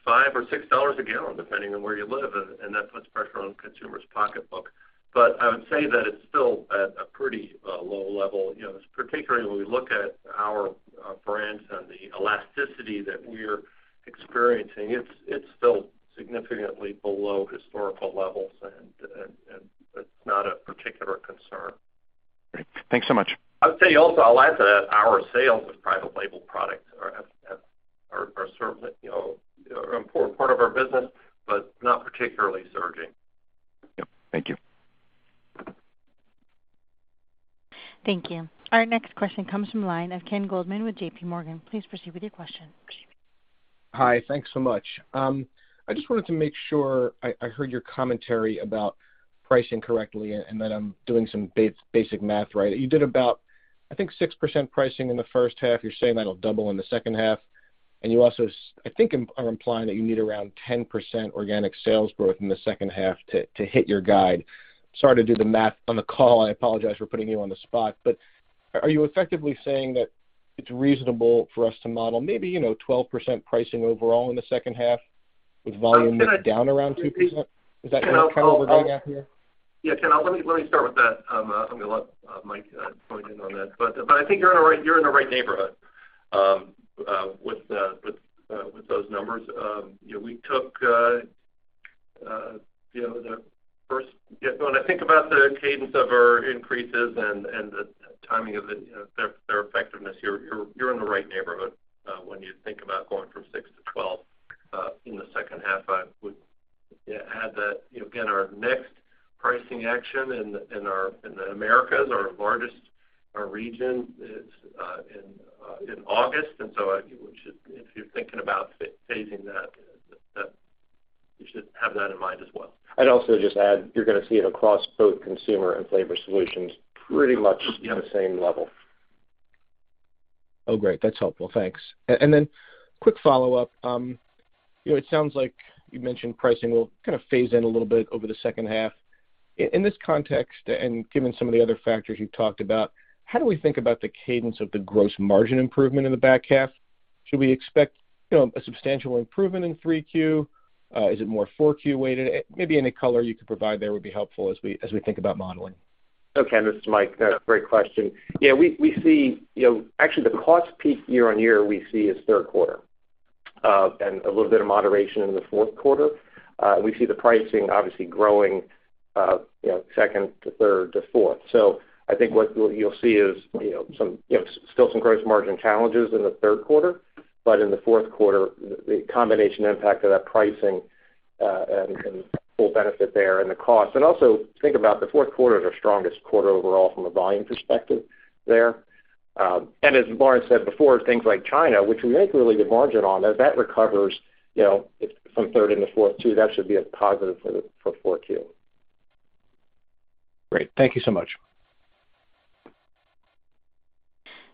$5-$6 a gallon depending on where you live, and that puts pressure on consumers' pocketbook. I would say that it's still at a pretty low level, you know, particularly when we look at our brands and the elasticity that we're experiencing. It's still significantly below historical levels and it's not a particular concern. Great. Thanks so much. I'll tell you also, I'll add to that, our sales of private label products are certainly, you know, important part of our business, but not particularly surging. Yep. Thank you. Thank you. Our next question comes from the line of Ken Goldman with JPMorgan. Please proceed with your question. Hi. Thanks so much. I just wanted to make sure I heard your commentary about pricing correctly, and that I'm doing some basic math right. You did about, I think, 6% pricing in the first half. You're saying that'll double in the second half. You also I think are implying that you need around 10% organic sales growth in the second half to hit your guide. Sorry to do the math on the call, and I apologize for putting you on the spot. Are you effectively saying that it's reasonable for us to model maybe, you know, 12% pricing overall in the second half with volume down around 2%? Is that kind of the gap here? Yeah, Ken, let me start with that. I'm gonna let Mike chime in on that. I think you're in the right neighborhood with those numbers. When I think about the cadence of our increases and the timing of their effectiveness, you're in the right neighborhood when you think about going from 6%-12% in the second half. I would add that, you know, again, our next pricing action in the Americas, our largest region, is in August. If you're thinking about phasing that, you should have that in mind as well. I'd also just add, you're gonna see it across both Consumer and Flavor Solutions pretty much in the same level. Oh, great. That's helpful. Thanks. Quick follow-up. You know, it sounds like you mentioned pricing will kind of phase in a little bit over the second half. In this context and given some of the other factors you've talked about, how do we think about the cadence of the gross margin improvement in the back half? Should we expect, you know, a substantial improvement in 3Q? Is it more 4Q weighted? Maybe any color you could provide there would be helpful as we think about modeling. This is Mike. Great question. Yeah. We see, you know, actually the cost peak year-over-year we see is third quarter, and a little bit of moderation in the fourth quarter. We see the pricing obviously growing, you know, second to third to fourth. I think what you'll see is, you know, some you know, still some gross margin challenges in the third quarter, but in the fourth quarter, the combination impact of that pricing and full benefit there and the cost. Also think about the fourth quarter is our strongest quarter overall from a volume perspective there. As Lawrence Kurzius said before, things like China, which we make really good margin on, as that recovers, you know, from third into fourth too, that should be a positive for four Q. Great. Thank you so much.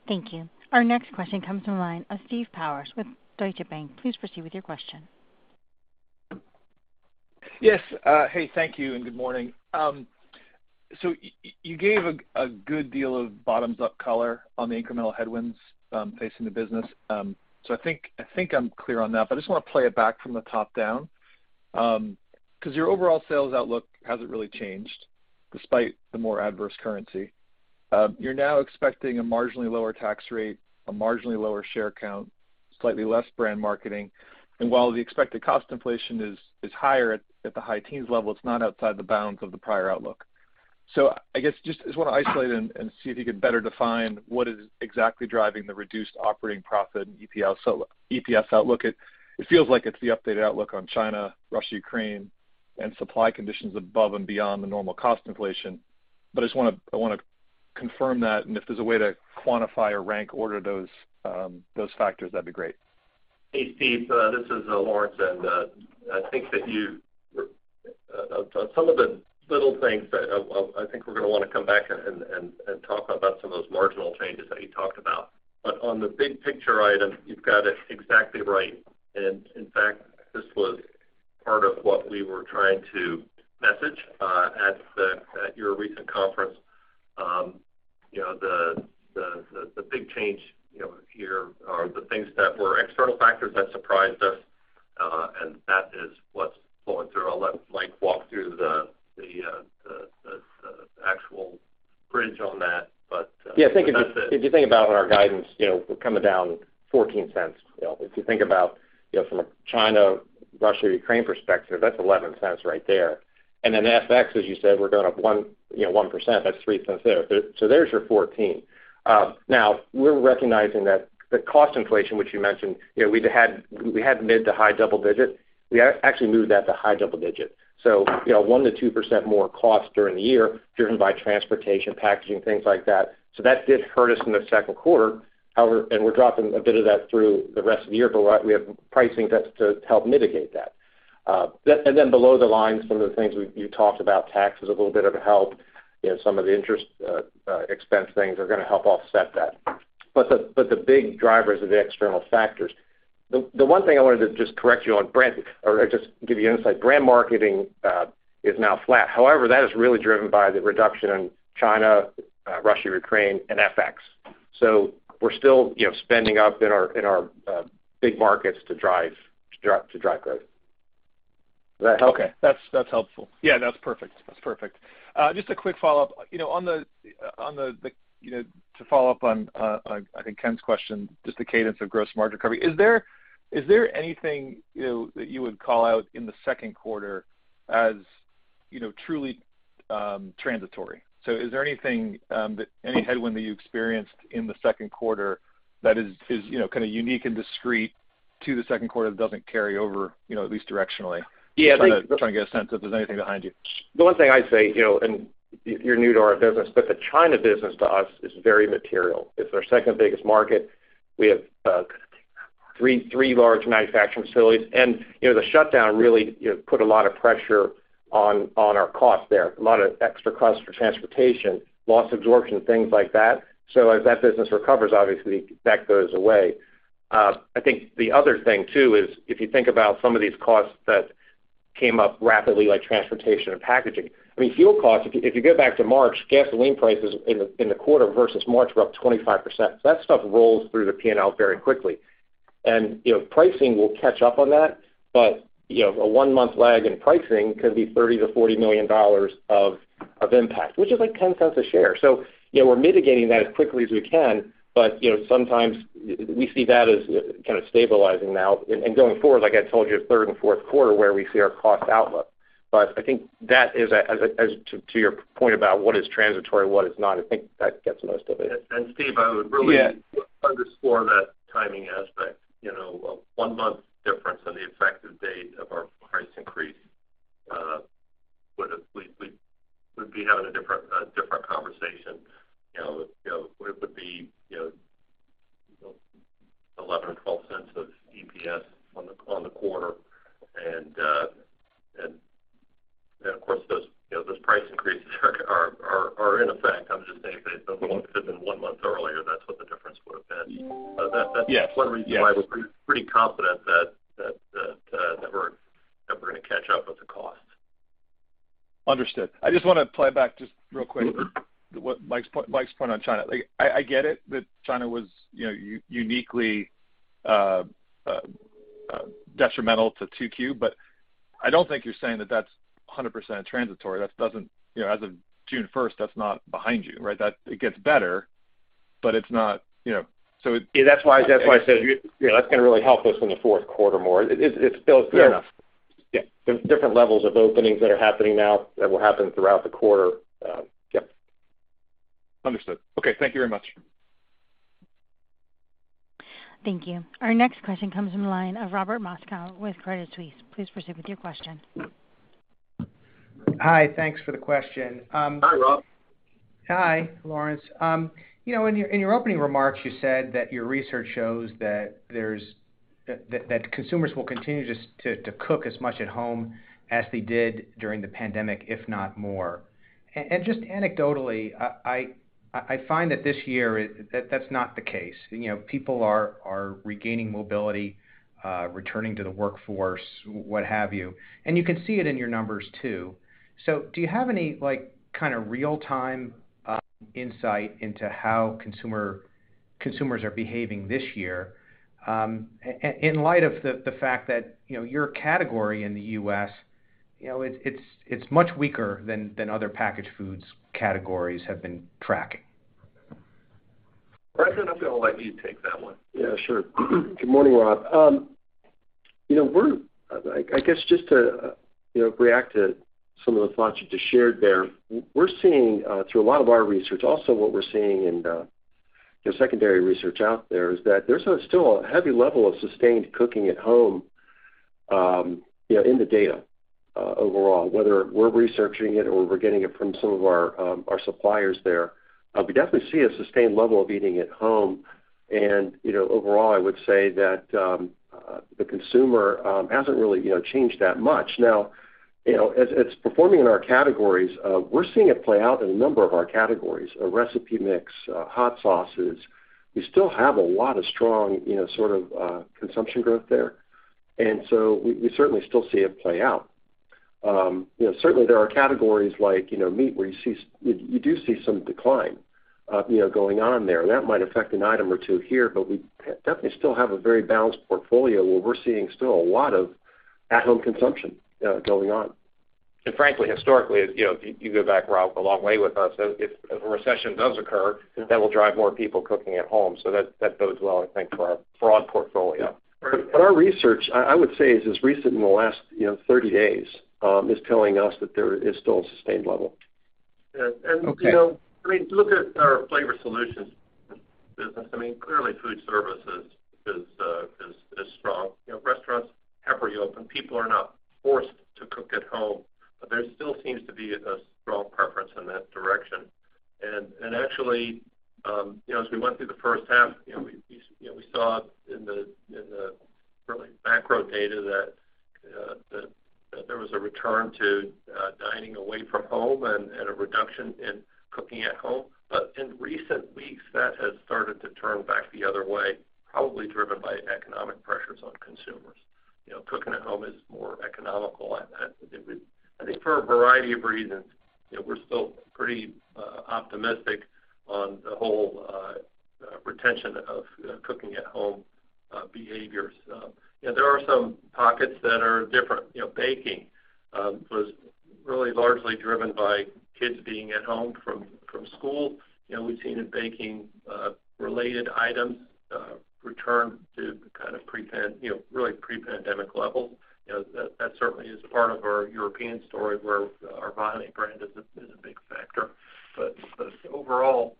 Thank you. Our next question comes from the line of Steve Powers with Deutsche Bank. Please proceed with your question. Yes. Hey, thank you, and good morning. You gave a good deal of bottoms-up color on the incremental headwinds facing the business. I think I'm clear on that, but I just wanna play it back from the top down, 'cause your overall sales outlook hasn't really changed despite the more adverse currency. You're now expecting a marginally lower tax rate, a marginally lower share count, slightly less brand marketing. While the expected cost inflation is higher at the high teens level, it's not outside the bounds of the prior outlook. I guess just I wanna isolate and see if you could better define what is exactly driving the reduced operating profit and EPS outlook. It feels like it's the updated outlook on China, Russia, Ukraine, and supply conditions above and beyond the normal cost inflation. I just wanna confirm that, and if there's a way to quantify or rank order those factors, that'd be great. Hey, Steve, this is Lawrence. I think some of the little things that I think we're gonna wanna come back and talk about some of those marginal changes that you talked about. On the big picture item, you've got it exactly right. In fact, this was part of what we were trying to message at your recent conference. You know, the big change, you know, here are the things that were external factors that surprised us, and that is what's flowing through. I'll let Mike walk through the actual bridge on that, but that's it. Yeah. If you think about our guidance, you know, we're coming down $0.14. You know, if you think about, you know, from a China, Russia-Ukraine perspective, that's $0.11 right there. Then FX, as you said, we're going up 1%, you know, that's $0.03 there. So there's your $0.14. Now we're recognizing that the cost inflation, which you mentioned, you know, we had mid- to high double-digit. We actually moved that to high double-digit. So, you know, 1%-2% more cost during the year, driven by transportation, packaging, things like that. So that did hurt us in the second quarter. However, we're dropping a bit of that through the rest of the year, but we have pricing that's to help mitigate that. Below the line, some of the things you talked about, tax is a little bit of a help. You know, some of the interest expense things are gonna help offset that. The big drivers are the external factors. The one thing I wanted to just correct you on brand or just give you insight, brand marketing is now flat. However, that is really driven by the reduction in China, Russia, Ukraine, and FX. We're still, you know, spending up in our big markets to drive growth. Does that help? Okay. That's helpful. Yeah, that's perfect. Just a quick follow-up to follow up on, I think Ken's question, just the cadence of gross margin recovery. Is there anything that you would call out in the second quarter as truly transitory? Is there any headwind that you experienced in the second quarter that is kinda unique and discrete to the second quarter that doesn't carry over at least directionally? Yeah. I'm trying to get a sense if there's anything behind you. The one thing I'd say, you know, and you're new to our business, but the China business to us is very material. It's our second-biggest market. We have three large manufacturing facilities. You know, the shutdown really put a lot of pressure on our cost there, a lot of extra costs for transportation, loss absorption, things like that. As that business recovers, obviously, that goes away. I think the other thing, too, is if you think about some of these costs that came up rapidly, like transportation and packaging. I mean, fuel costs, if you go back to March, gasoline prices in the quarter versus March were up 25%. That stuff rolls through the P&L very quickly. You know, pricing will catch up on that. You know, a one-month lag in pricing could be $30-$40 million of impact, which is like 10 cents a share. You know, we're mitigating that as quickly as we can, but, you know, sometimes we see that as kind of stabilizing now. Going forward, like I told you, third and fourth quarter, where we see our cost outlook. I think that is as to your point about what is transitory, what is not, I think that gets most of it. Steve, I would really- Yeah Underscore that timing aspect. You know, one month difference on the effective date of our price increase would have a different conversation. You know, it would be $0.11 or $0.12 of EPS on the quarter. Of course, those price increases are in effect. You know, those price increases are in effect. I'm just saying if they'd been one month earlier, that's what the difference would have been. Yes. Yes. That's one reason why we're pretty confident that we're gonna catch up with the cost. Understood. I just wanna play back just real quick what Mike's point on China. Like, I get it that China was, you know, uniquely detrimental to 2Q, but I don't think you're saying that that's 100% transitory. That doesn't. You know, as of June first, that's not behind you, right? That it gets better, but it's not, you know. Yeah, that's why I said, you know, that's gonna really help us in the fourth quarter more. It still- Fair enough. Yeah. There's different levels of openings that are happening now that will happen throughout the quarter. Understood. Okay, thank you very much. Thank you. Our next question comes from the line of Robert Moskow with Credit Suisse. Please proceed with your question. Hi. Thanks for the question. Hi, Rob. Hi, Lawrence. You know, in your opening remarks, you said that your research shows that consumers will continue just to cook as much at home as they did during the pandemic, if not more. Just anecdotally, I find that this year, that's not the case. You know, people are regaining mobility, returning to the workforce, what have you. You can see it in your numbers, too. Do you have any, like, kinda real-time insight into how consumers are behaving this year, in light of the fact that, you know, your category in the U.S, you know, it's much weaker than other packaged foods categories have been tracking? Brendan, I'm gonna let you take that one. Yeah, sure. Good morning, Rob. You know, I guess just to, you know, react to some of the thoughts you just shared there. We're seeing through a lot of our research, also what we're seeing in, you know, secondary research out there is that there's still a heavy level of sustained cooking at home, you know, in the data, overall. Whether we're researching it or we're getting it from some of our our suppliers there, we definitely see a sustained level of eating at home. You know, overall, I would say that the consumer hasn't really, you know, changed that much. Now, you know, as far as performing in our categories, we're seeing it play out in a number of our categories, a recipe mix, hot sauces. We still have a lot of strong, you know, sort of, consumption growth there. We certainly still see it play out. You know, certainly there are categories like, you know, meat, where you do see some decline, you know, going on there. That might affect an item or two here, but we definitely still have a very balanced portfolio where we're seeing still a lot of at-home consumption going on. Frankly, historically, as you know, you go back, Rob, a long way with us, if a recession does occur, that will drive more people cooking at home. That bodes well, I think, for our broad portfolio. Our research, I would say, is recent in the last, you know, 30 days, is telling us that there is still a sustained level. Yeah. Okay. You know, I mean, look at our flavor solutions business. I mean, clearly food service is strong. You know, restaurants have reopened. People are not forced to cook at home, but there still seems to be a strong preference in that direction. Actually, you know, as we went through the first half, you know, we saw in the early macro data that there was a return to dining away from home and a reduction in cooking at home. But in recent weeks, that has started to turn back the other way, probably driven by economic pressures on consumers. You know, cooking at home is more economical. It would. I think for a variety of reasons, you know, we're still pretty optimistic on the whole, retention of cooking at home behaviors. You know, there are some pockets that are different. You know, baking was really largely driven by kids being at home from school. You know, we've seen in baking related items return to kind of pre-pandemic levels. You know, that certainly is part of our European story where our Vahiné brand is a big factor. Overall,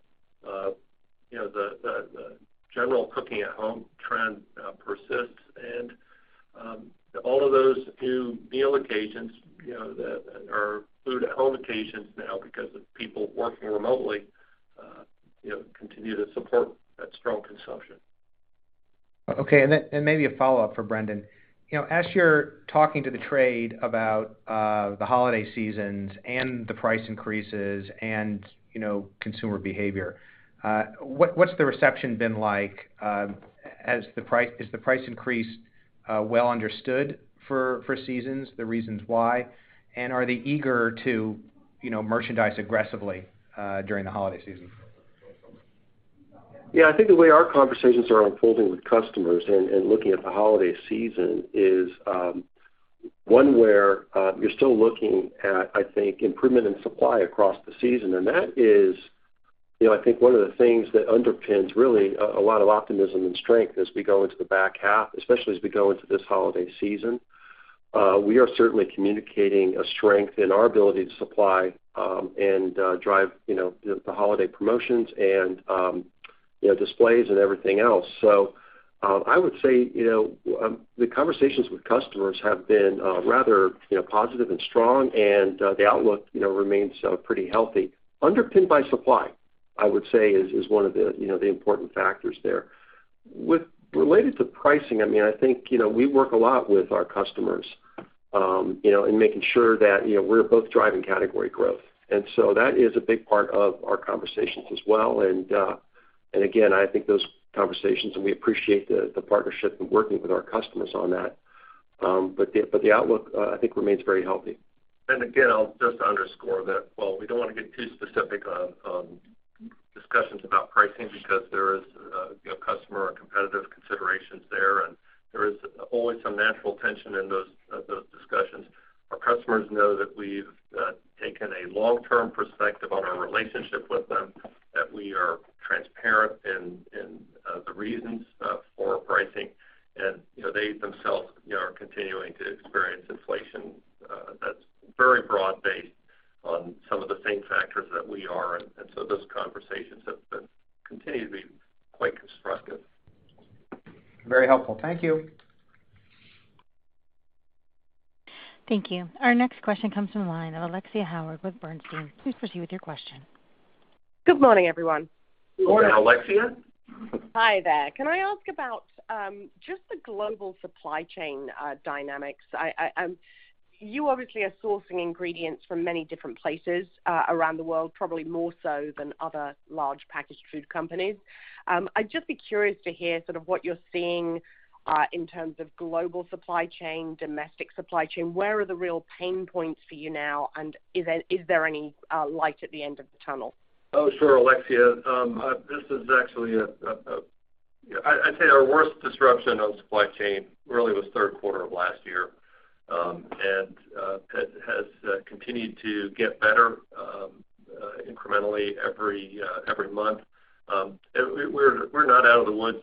you know, the general cooking at home trend persists. All of those new meal occasions, you know, that are food at home occasions now because of people working remotely, you know, continue to support that strong consumption. Okay. Maybe a follow-up for Brendan. You know, as you're talking to the trade about the holiday seasons and the price increases and, you know, consumer behavior, what's the reception been like as the price increase is well understood for the reasons why? And are they eager to, you know, merchandise aggressively during the holiday season? Yeah. I think the way our conversations are unfolding with customers and looking at the holiday season is one where you're still looking at, I think, improvement in supply across the season. That is, you know, I think one of the things that underpins really a lot of optimism and strength as we go into the back half, especially as we go into this holiday season. We are certainly communicating a strength in our ability to supply and drive, you know, the holiday promotions and, you know, displays and everything else. I would say, you know, the conversations with customers have been rather, you know, positive and strong, and the outlook, you know, remains pretty healthy, underpinned by supply. I would say one of the important factors there. With regard to pricing, I mean, I think, you know, we work a lot with our customers, you know, in making sure that, you know, we're both driving category growth. That is a big part of our conversations as well. Again, I think those conversations, and we appreciate the partnership and working with our customers on that. But the outlook, I think remains very healthy. Again, I'll just underscore that while we don't want to get too specific on discussions about pricing because there is, you know, customer and competitive considerations there, and there is always some natural tension in those discussions. Our customers know that we've taken a long-term perspective on our relationship with them, that we are transparent in the reasons for pricing. You know, they themselves, you know, are continuing to experience inflation that's very broad-based on some of the same factors that we are. Those conversations continue to be quite constructive. Very helpful. Thank you. Thank you. Our next question comes from the line of Alexia Howard with Bernstein. Please proceed with your question. Good morning, everyone. Good morning, Alexia. Good morning. Hi there. Can I ask about just the global supply chain dynamics? You obviously are sourcing ingredients from many different places around the world, probably more so than other large packaged food companies. I'd just be curious to hear sort of what you're seeing in terms of global supply chain, domestic supply chain. Where are the real pain points for you now? Is there any light at the end of the tunnel? Oh, sure, Alexia. This is actually I'd say our worst disruption on supply chain really was third quarter of last year, and has continued to get better incrementally every month. We're not out of the woods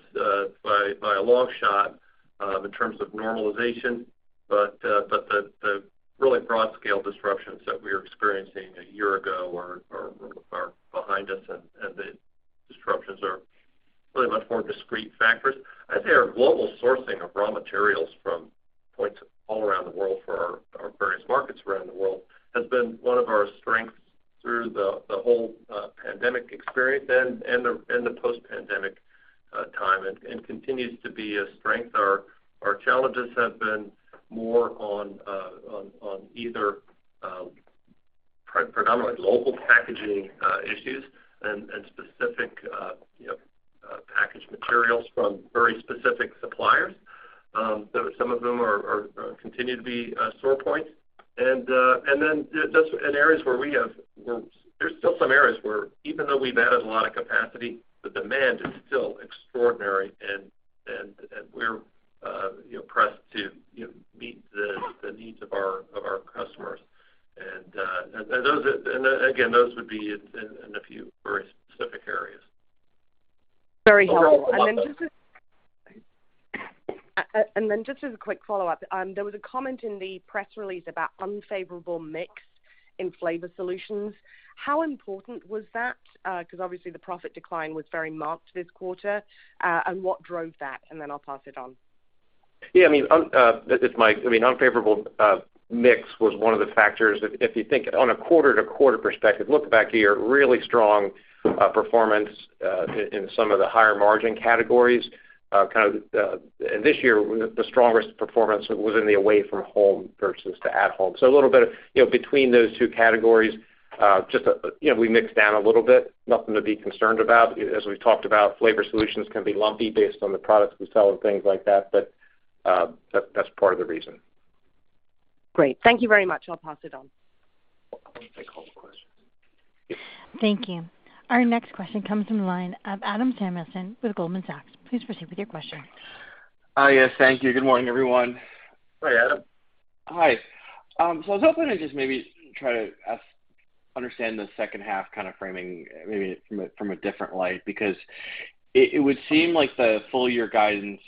by a long shot in terms of normalization, but the really broad scale disruptions that we were experiencing a year ago are behind us and the disruptions are really much more discrete factors. I'd say our global sourcing of raw materials from points all around the world for our various markets around the world has been one of our strengths through the whole pandemic experience and the post-pandemic time and continues to be a strength. Our challenges have been more on either predominantly local packaging issues and specific packaged materials from very specific suppliers, so some of whom continue to be sore points. Just in areas where there's still some areas where even though we've added a lot of capacity, the demand is still extraordinary and we're, you know, pressed to, you know, meet the needs of our customers. Again, those would be in a few very specific areas. Very helpful. So a lot those- Just as a quick follow-up, there was a comment in the press release about unfavorable mix in Flavor Solutions. How important was that? Because obviously the profit decline was very marked this quarter. What drove that? I'll pass it on. Yeah, I mean, this mix, I mean, unfavorable mix was one of the factors. If you think on a quarter-to-quarter perspective, look back a year, really strong performance in some of the higher margin categories. Kind of, and this year, the strongest performance was in the away from home versus the at home. So a little bit, you know, between those two categories, just, you know, we mixed down a little bit, nothing to be concerned about. As we've talked about, flavor solutions can be lumpy based on the products we sell and things like that, but that's part of the reason. Great. Thank you very much. I'll pass it on. Next caller, question. Yes. Thank you. Our next question comes from the line of Adam Samuelson with Goldman Sachs. Please proceed with your question. Hi, yes. Thank you. Good morning, everyone. Hi, Adam. Hi. I was hoping to just maybe try to understand the second half kind of framing, maybe from a different light, because it would seem like the full year guidance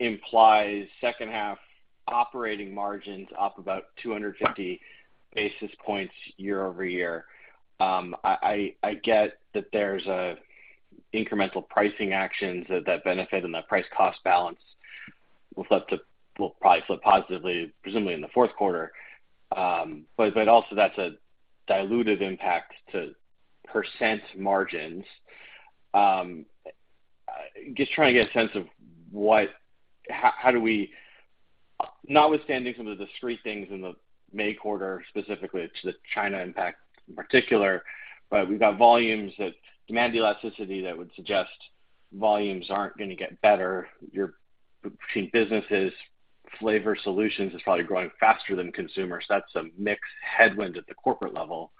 implies second half operating margins up about 250 basis points year-over-year. I get that there's an incremental pricing actions that benefit and that price-cost balance will probably flip positively, presumably in the fourth quarter. Also that's a dilutive impact to percent margins. Just trying to get a sense of how, notwithstanding some of the discrete things in the May quarter, specifically the China impact in particular, but we've got volumes that demand elasticity that would suggest volumes aren't gonna get better. You, between businesses, Flavor Solutions is probably growing faster than Consumer. That's an FX headwind at the corporate level.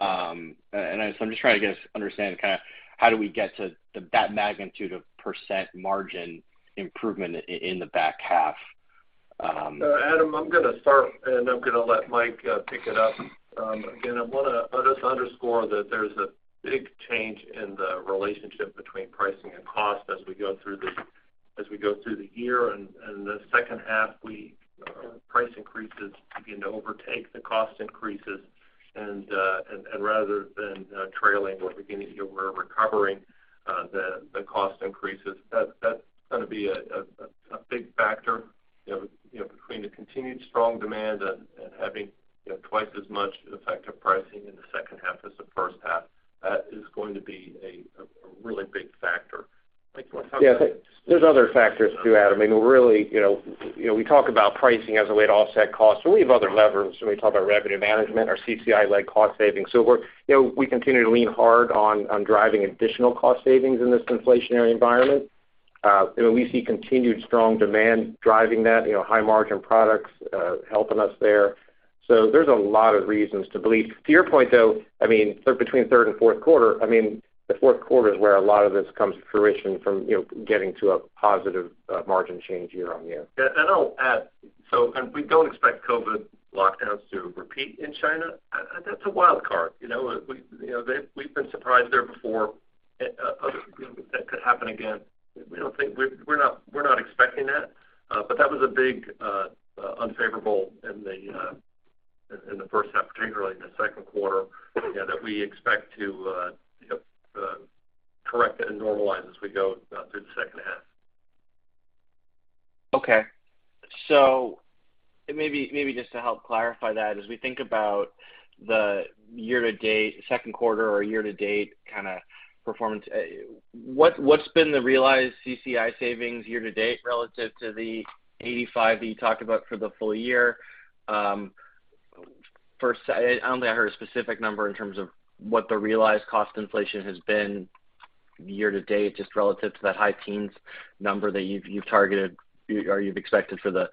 I'm just trying to understand kinda how do we get to that magnitude of % margin improvement in the back half. Adam, I'm gonna start, and I'm gonna let Mike pick it up. Again, I want to let us underscore that there's a big change in the relationship between pricing and cost as we go through the year and in the second half, price increases begin to overtake the cost increases. Rather than trailing, we're recovering the cost increases. That's gonna be a big factor, you know, between the continued strong demand and having, you know, twice as much effective pricing in the second half as the first half. That is going to be a really big factor. Mike, you want to talk about- Yeah. There's other factors, too, Adam. I mean, really, you know, we talk about pricing as a way to offset costs, but we have other levers when we talk about revenue management or CCI-led cost savings. We're, you know, we continue to lean hard on driving additional cost savings in this inflationary environment. And we see continued strong demand driving that, you know, high margin products, helping us there. There's a lot of reasons to believe. To your point, though, I mean, between third and fourth quarter, I mean, the fourth quarter is where a lot of this comes to fruition from, you know, getting to a positive margin change year-on-year. I'll add, we don't expect COVID lockdowns to repeat in China. That's a wild card. You know, we, you know, we've been surprised there before. You know, that could happen again. We're not expecting that, but that was a big unfavorable in the first half, particularly in the second quarter, you know, that we expect to correct and normalize as we go through the second half. Okay. So maybe just to help clarify that, as we think about the year to date, second quarter or year to date kinda performance, what's been the realized CCI savings year to date relative to the 85 that you talked about for the full year? First, I don't think I heard a specific number in terms of what the realized cost inflation has been year to date, just relative to that high teens number that you've targeted or you've expected for the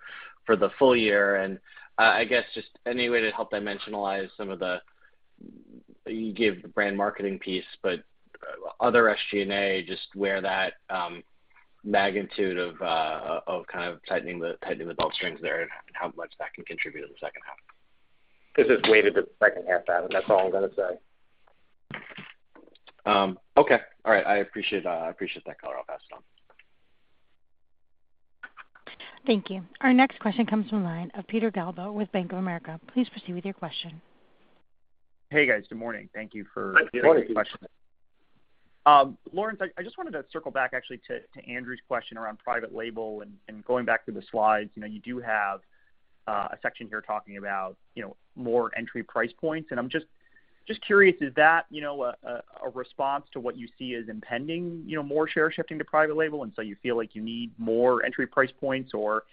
full year. I guess just any way to help dimensionalize some of the. You gave the brand marketing piece, but other SG&A, just where that magnitude of kind of tightening the belt strings there and how much that can contribute in the second half. This is weighted to second half, Adam. That's all I'm gonna say. Okay. All right. I appreciate that color. I'll pass it on. Thank you. Our next question comes from line of Peter Galbo with Bank of America. Please proceed with your question. Hey, guys. Good morning. Good morning. Taking the question. Lawrence, I just wanted to circle back actually to Andrew's question around private label and going back to the slides. You know, you do have a section here talking about, you know, more entry price points, and I'm just curious, is that a response to what you see as impending, you know, more share shifting to private label, and so you feel like you need more entry price points, or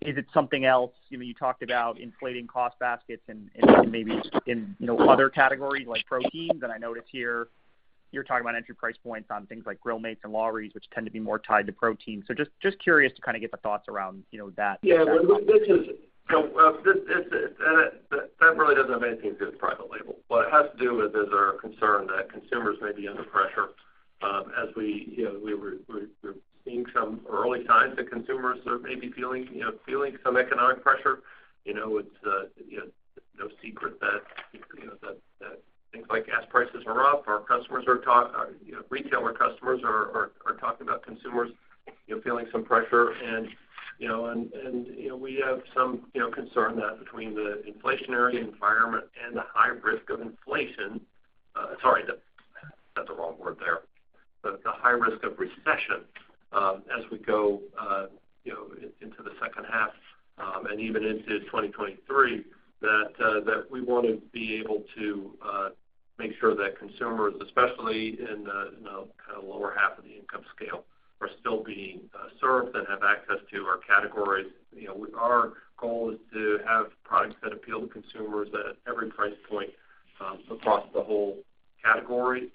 is it something else? You know, you talked about inflating cost baskets and maybe in other categories like proteins. I notice here you're talking about entry price points on things like Grill Mates and Lawry's, which tend to be more tied to protein. Just curious to kinda get the thoughts around, you know, that- Yeah. Well, that really doesn't have anything to do with private label. What it has to do with is our concern that consumers may be under pressure, as we, you know, we're seeing some early signs that consumers are maybe feeling some economic pressure. You know, it's no secret that things like gas prices are up. Our retailer customers are talking about consumers, you know, feeling some pressure and we have some concern that between the inflationary environment and the high risk of inflation. Sorry, said the wrong word there. The high risk of recession, as we go, you know, into the second half, and even into 2023, that we wanna be able to make sure that consumers, especially in the, you know, kind of lower half of the income scale, are still being served and have access to our categories. You know, our goal is to have products that appeal to consumers at every price point, across the whole category.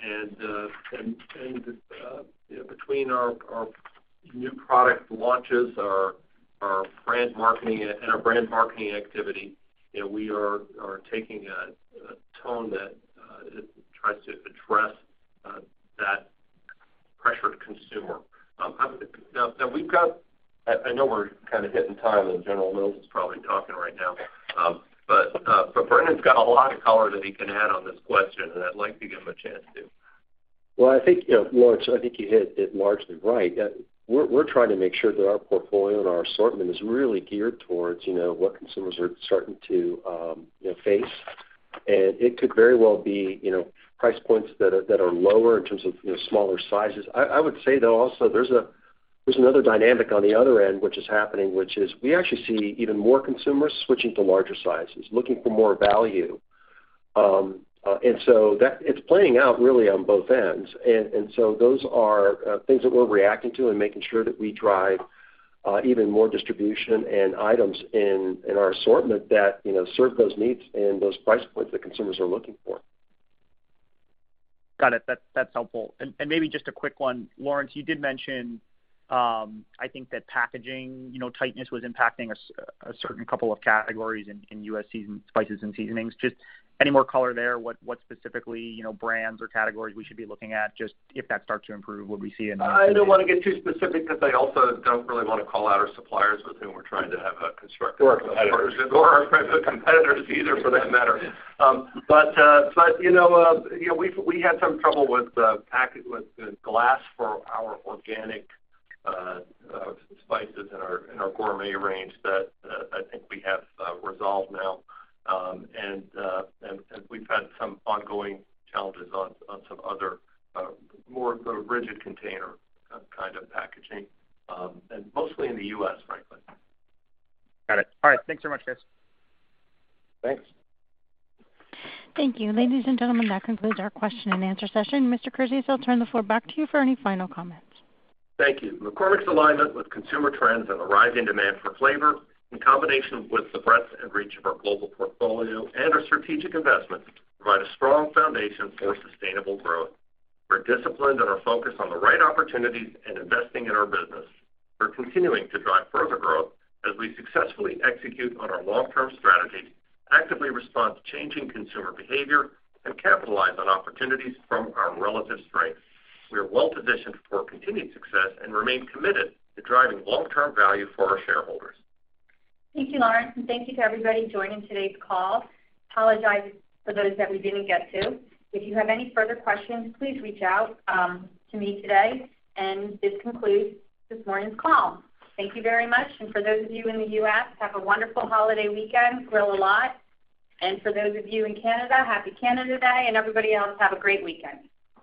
You know, between our new product launches, our brand marketing and our brand marketing activity, we are taking a tone that tries to address that pressured consumer. I know we're kinda hitting time, and General Mills is probably talking right now. Brendan's got a lot of color that he can add on this question, and I'd like to give him a chance to. Well, I think, you know, Lawrence, I think you hit it largely right. We're trying to make sure that our portfolio and our assortment is really geared towards, you know, what consumers are starting to, you know, face. It could very well be, you know, price points that are lower in terms of, you know, smaller sizes. I would say, though, also, there's another dynamic on the other end which is happening, which is we actually see even more consumers switching to larger sizes, looking for more value. That it's playing out really on both ends. Those are things that we're reacting to and making sure that we drive even more distribution and items in our assortment that you know serve those needs and those price points that consumers are looking for. Got it. That's helpful. Maybe just a quick one. Lawrence, you did mention, I think, that packaging tightness was impacting a certain couple of categories in U.S. spices and seasonings. Just any more color there? What specifically brands or categories we should be looking at, just if that starts to improve, what we see in the I don't wanna get too specific 'cause I also don't really wanna call out our suppliers with whom we're trying to have a constructive. Sure. -relationship or our competitors either, for that matter. You know, we've had some trouble with the glass for our organic spices in our gourmet range that I think we have resolved now. We've had some ongoing challenges on some other more the rigid container kind of packaging, and mostly in the U.S., frankly. Got it. All right. Thanks so much, guys. Thanks. Thank you. Ladies and gentlemen, that concludes our question and answer session. Mr. Kurzius, I'll turn the floor back to you for any final comments. Thank you. McCormick's alignment with consumer trends and a rising demand for flavor, in combination with the breadth and reach of our global portfolio and our strategic investments, provide a strong foundation for sustainable growth. We're disciplined and are focused on the right opportunities and investing in our business. We're continuing to drive further growth as we successfully execute on our long-term strategy, actively respond to changing consumer behavior, and capitalize on opportunities from our relative strength. We are well-positioned for continued success and remain committed to driving long-term value for our shareholders. Thank you, Lawrence, and thank you to everybody joining today's call. Apologize for those that we didn't get to. If you have any further questions, please reach out to me today. This concludes this morning's call. Thank you very much. For those of you in the U.S., have a wonderful holiday weekend. Grill a lot. For those of you in Canada, happy Canada Day, and everybody else, have a great weekend.